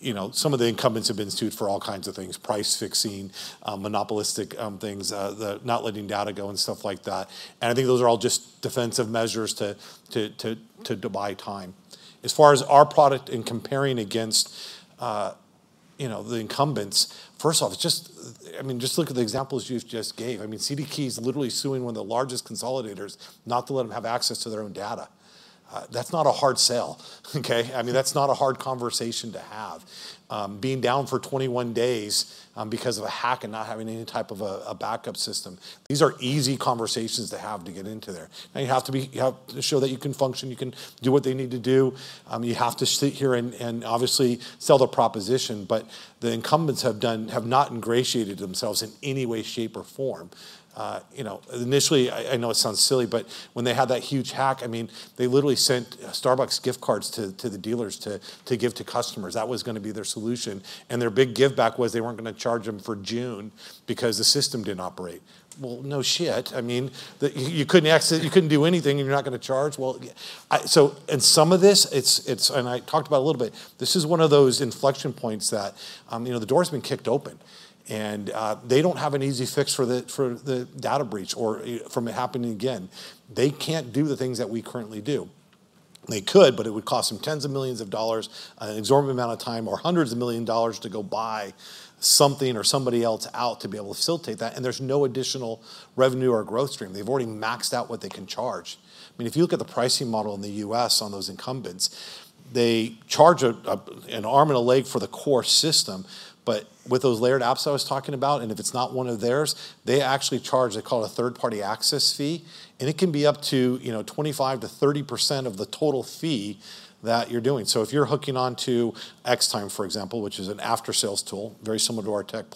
You know, some of the incumbents have been sued for all kinds of things: price fixing, monopolistic things, the not letting data go, and stuff like that. And those are all just defensive measures to buy time. As far as our product and comparing against, you know, the incumbents, first off, it's just look at the examples you've just gave. CDK is literally suing one of the largest consolidators not to let them have access to their own data. That's not a hard sell, okay? That's not a hard conversation to have. Being down for twenty-one days because of a hack and not having any type of a backup system, these are easy conversations to have to get into there. Now, you have to show that you can function, you can do what they need to do. You have to sit here and obviously sell the proposition, but the incumbents have not ingratiated themselves in any way, shape, or form. You know, initially, I know it sounds silly, but when they had that huge hack, they literally sent Starbucks gift cards to the dealers to give to customers. That was gonna be their solution, and their big give back was they weren't gonna charge them for June because the system didn't operate. Well, no shit. You couldn't access it, you couldn't do anything, and you're not gonna charge? And some of this, and I talked about it a little bit. This is one of those inflection points that, you know, the door's been kicked open. They don't have an easy fix for the data breach or from it happening again. They can't do the things that we currently do. They could, but it would cost them tens of millions of dollars, an exorbitant amount of time, or hundreds of millions of dollars to go buy something or somebody else out to be able to facilitate that, and there's no additional revenue or growth stream. They've already maxed out what they can charge. If you look at the pricing model in the U.S. on those incumbents, they charge an arm and a leg for the core system, but with those layered apps I was talking about, and if it's not one of theirs, they actually charge. They call it a third-party access fee, and it can be up to, you know, 25% to 30% of the total fee that you're doing. So if you're hooking on to Xtime, for example, which is an after-sales tool, very similar to our Tech+,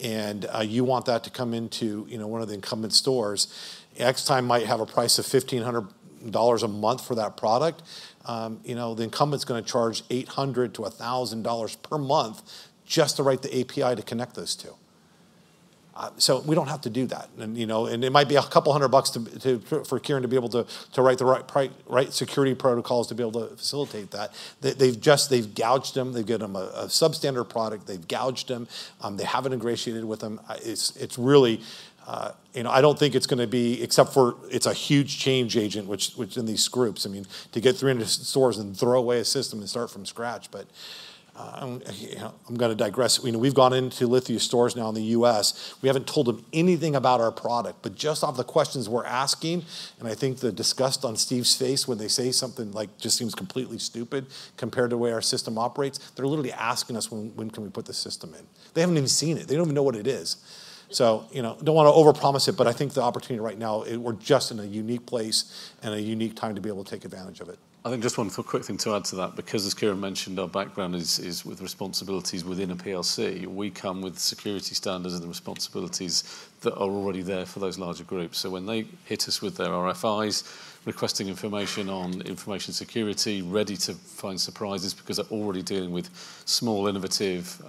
and you want that to come into, you know, one of the incumbent stores, Xtime might have a price of $1,500 a month for that product. You know, the incumbent's gonna charge $800-$1,000 per month just to write the API to connect those two. So we don't have to do that. And, you know, and it might be a couple of hundred bucks for Kieran to be able to write the right security protocols to be able to facilitate that. They've just gouged them. They've given them a substandard product. They've gouged them. They haven't ingratiated with them. It's really you know, I don't think it's gonna be, except for, it's a huge change agent, which in these groups to get 300 stores and throw away a system and start from scratch, but you know, I'm gonna digress. You know, we've gone into Lithia stores now in the U.S. We haven't told them anything about our product, but just off the questions we're asking, and the disgust on Steve's face when they say something like just seems completely stupid compared to the way our system operates. They're literally asking us, "When, when can we put the system in?" They haven't even seen it. They don't even know what it is. So, you know, don't wanna overpromise it, but the opportunity right now, it, we're just in a unique place and a unique time to be able to take advantage of it.
Just one quick thing to add to that, because as Kieran mentioned, our background is with responsibilities within a PLC. We come with security standards and the responsibilities that are already there for those larger groups. So when they hit us with their RFIs, requesting information on information security, ready to find surprises, because they're already dealing with small, innovative,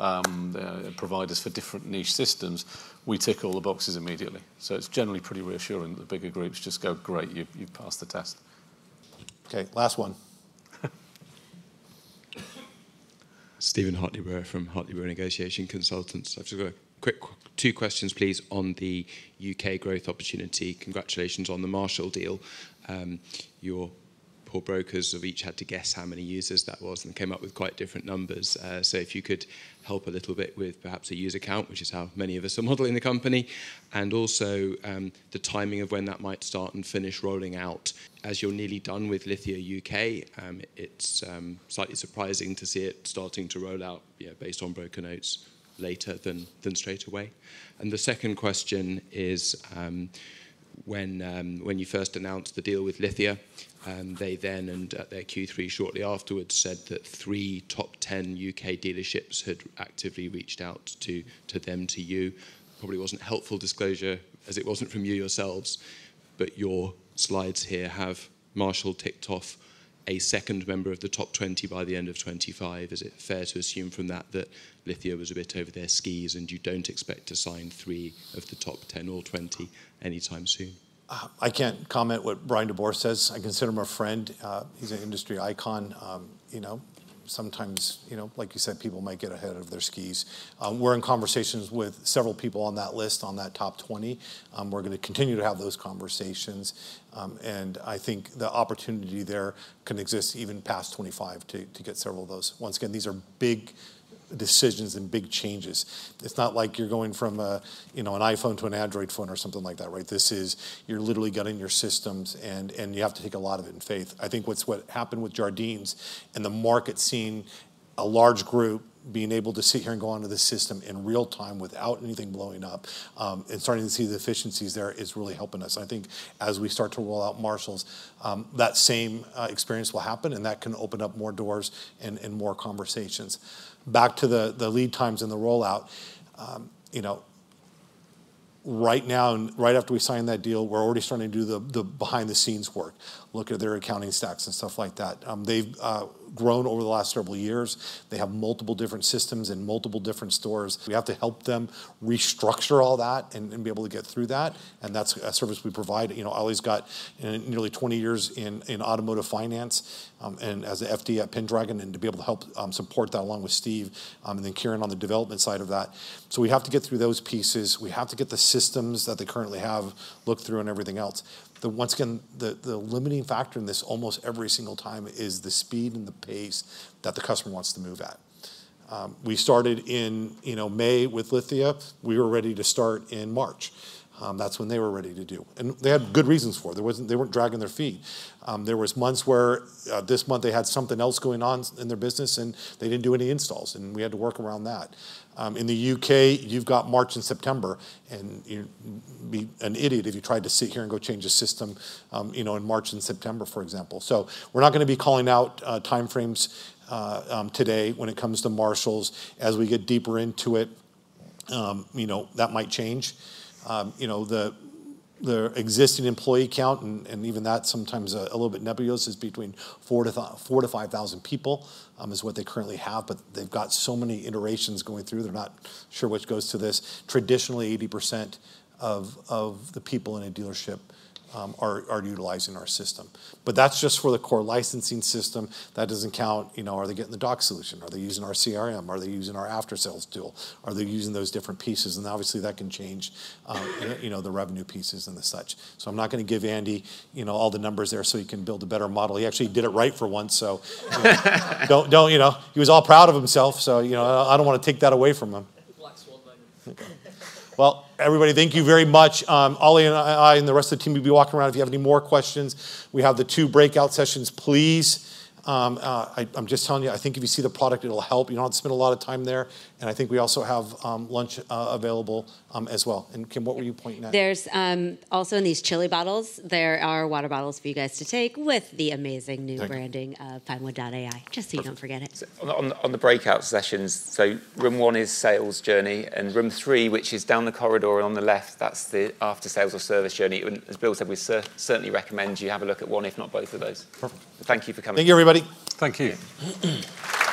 providers for different niche systems, we tick all the boxes immediately. So it's generally pretty reassuring. The bigger groups just go: "Great, you've passed the test.
Okay, last one.
Stephen Hartley-Burr from Hartley-Burr Negotiation Consultants. I've just got a quick two questions, please, on the UK growth opportunity. Congratulations on the Marshall deal. Your poor brokers have each had to guess how many users that was and came up with quite different numbers. So if you could help a little bit with perhaps a user count, which is how many of us are modeling the company, and also the timing of when that might start and finish rolling out. As you're nearly done with Lithia UK, it's slightly surprising to see it starting to roll out, based on broker notes, later than straight away. And the second question is, when you first announced the deal with Lithia, they then, and at their Q3 shortly afterwards, said that three top 10 U.K. dealerships had actively reached out to them, to you. Probably wasn't helpful disclosure, as it wasn't from you yourselves, but your slides here have Marshall ticked off a second member of the top 20 by the end of 2025. Is it fair to assume from that, that Lithia was a bit over their skis, and you don't expect to sign three of the top 10 or 20 anytime soon?
I can't comment on what Bryan DeBoer says. I consider him a friend. He's an industry icon. You know, sometimes, you know, like you said, people might get ahead of their skis. We're in conversations with several people on that list, on that top 20. We're gonna continue to have those conversations. And the opportunity there can exist even past '25 to get several of those. Once again, these are big decisions and big changes. It's not like you're going from a, you know, an iPhone to an Android phone or something like that, right? This is. You're literally gutting your systems, and you have to take a lot of it in faith. What happened with Jardine and the market seeing a large group being able to sit here and go onto the system in real time without anything blowing up, and starting to see the efficiencies there is really helping us. As we start to roll out Marshall, that same experience will happen, and that can open up more doors and more conversations. Back to the lead times and the rollout, you know, right now, and right after we sign that deal, we're already starting to do the behind-the-scenes work, look at their accounting stacks and stuff like that. They've grown over the last several years. They have multiple different systems in multiple different stores. We have to help them restructure all that and be able to get through that, and that's a service we provide. You know, Oli's got nearly 20 years in automotive finance, and as an FD at Pendragon, and to be able to help support that, along with Steve, and then Kieran on the development side of that. So we have to get through those pieces. We have to get the systems that they currently have looked through and everything else. Once again, the limiting factor in this, almost every single time, is the speed and the pace that the customer wants to move at. We started in, you know, May with Lithia. We were ready to start in March. That's when they were ready to do, and they had good reasons for it. There wasn't. They weren't dragging their feet. There was months where this month they had something else going on in their business, and they didn't do any installs, and we had to work around that. In the UK, you've got March and September, and you'd be an idiot if you tried to sit here and go change a system, you know, in March and September, for example. So we're not gonna be calling out time frames today when it comes to Marshall. As we get deeper into it, you know, that might change. You know, their existing employee count, and even that's sometimes a little bit nebulous, is between 4,000-5,000 people, is what they currently have, but they've got so many iterations going through, they're not sure which goes to this. Traditionally, 80% of the people in a dealership are utilizing our system. But that's just for the core licensing system, that doesn't count, you know, are they getting the doc solution? Are they using our CRM? Are they using our after-sales tool? Are they using those different pieces? And obviously, that can change, you know, the revenue pieces and the such. So I'm not gonna give Andy, you know, all the numbers there, so he can build a better model. He actually did it right for once, so don't, you know, he was all proud of himself, so, you know, I don't wanna take that away from him.
Black Swan moment.
Everybody, thank you very much. Oli and I, and the rest of the team, we'll be walking around if you have any more questions. We have the two breakout sessions. Please, I'm just telling you, if you see the product, it'll help. You don't have to spend a lot of time there, and we also have lunch available as well. And Kim, what were you pointing at?
There's also in these Chilly's bottles, there are water bottles for you guys to take with the amazing new-
Thank you...
branding of Pinewood AI, just so you don't forget it.
On the breakout sessions, so room one is sales journey, and room three, which is down the corridor and on the left, that's the after-sales or service journey, and as Bill said, we certainly recommend you have a look at one, if not both of those.
Perfect.
Thank you for coming.
Thank you, everybody.
Thank you.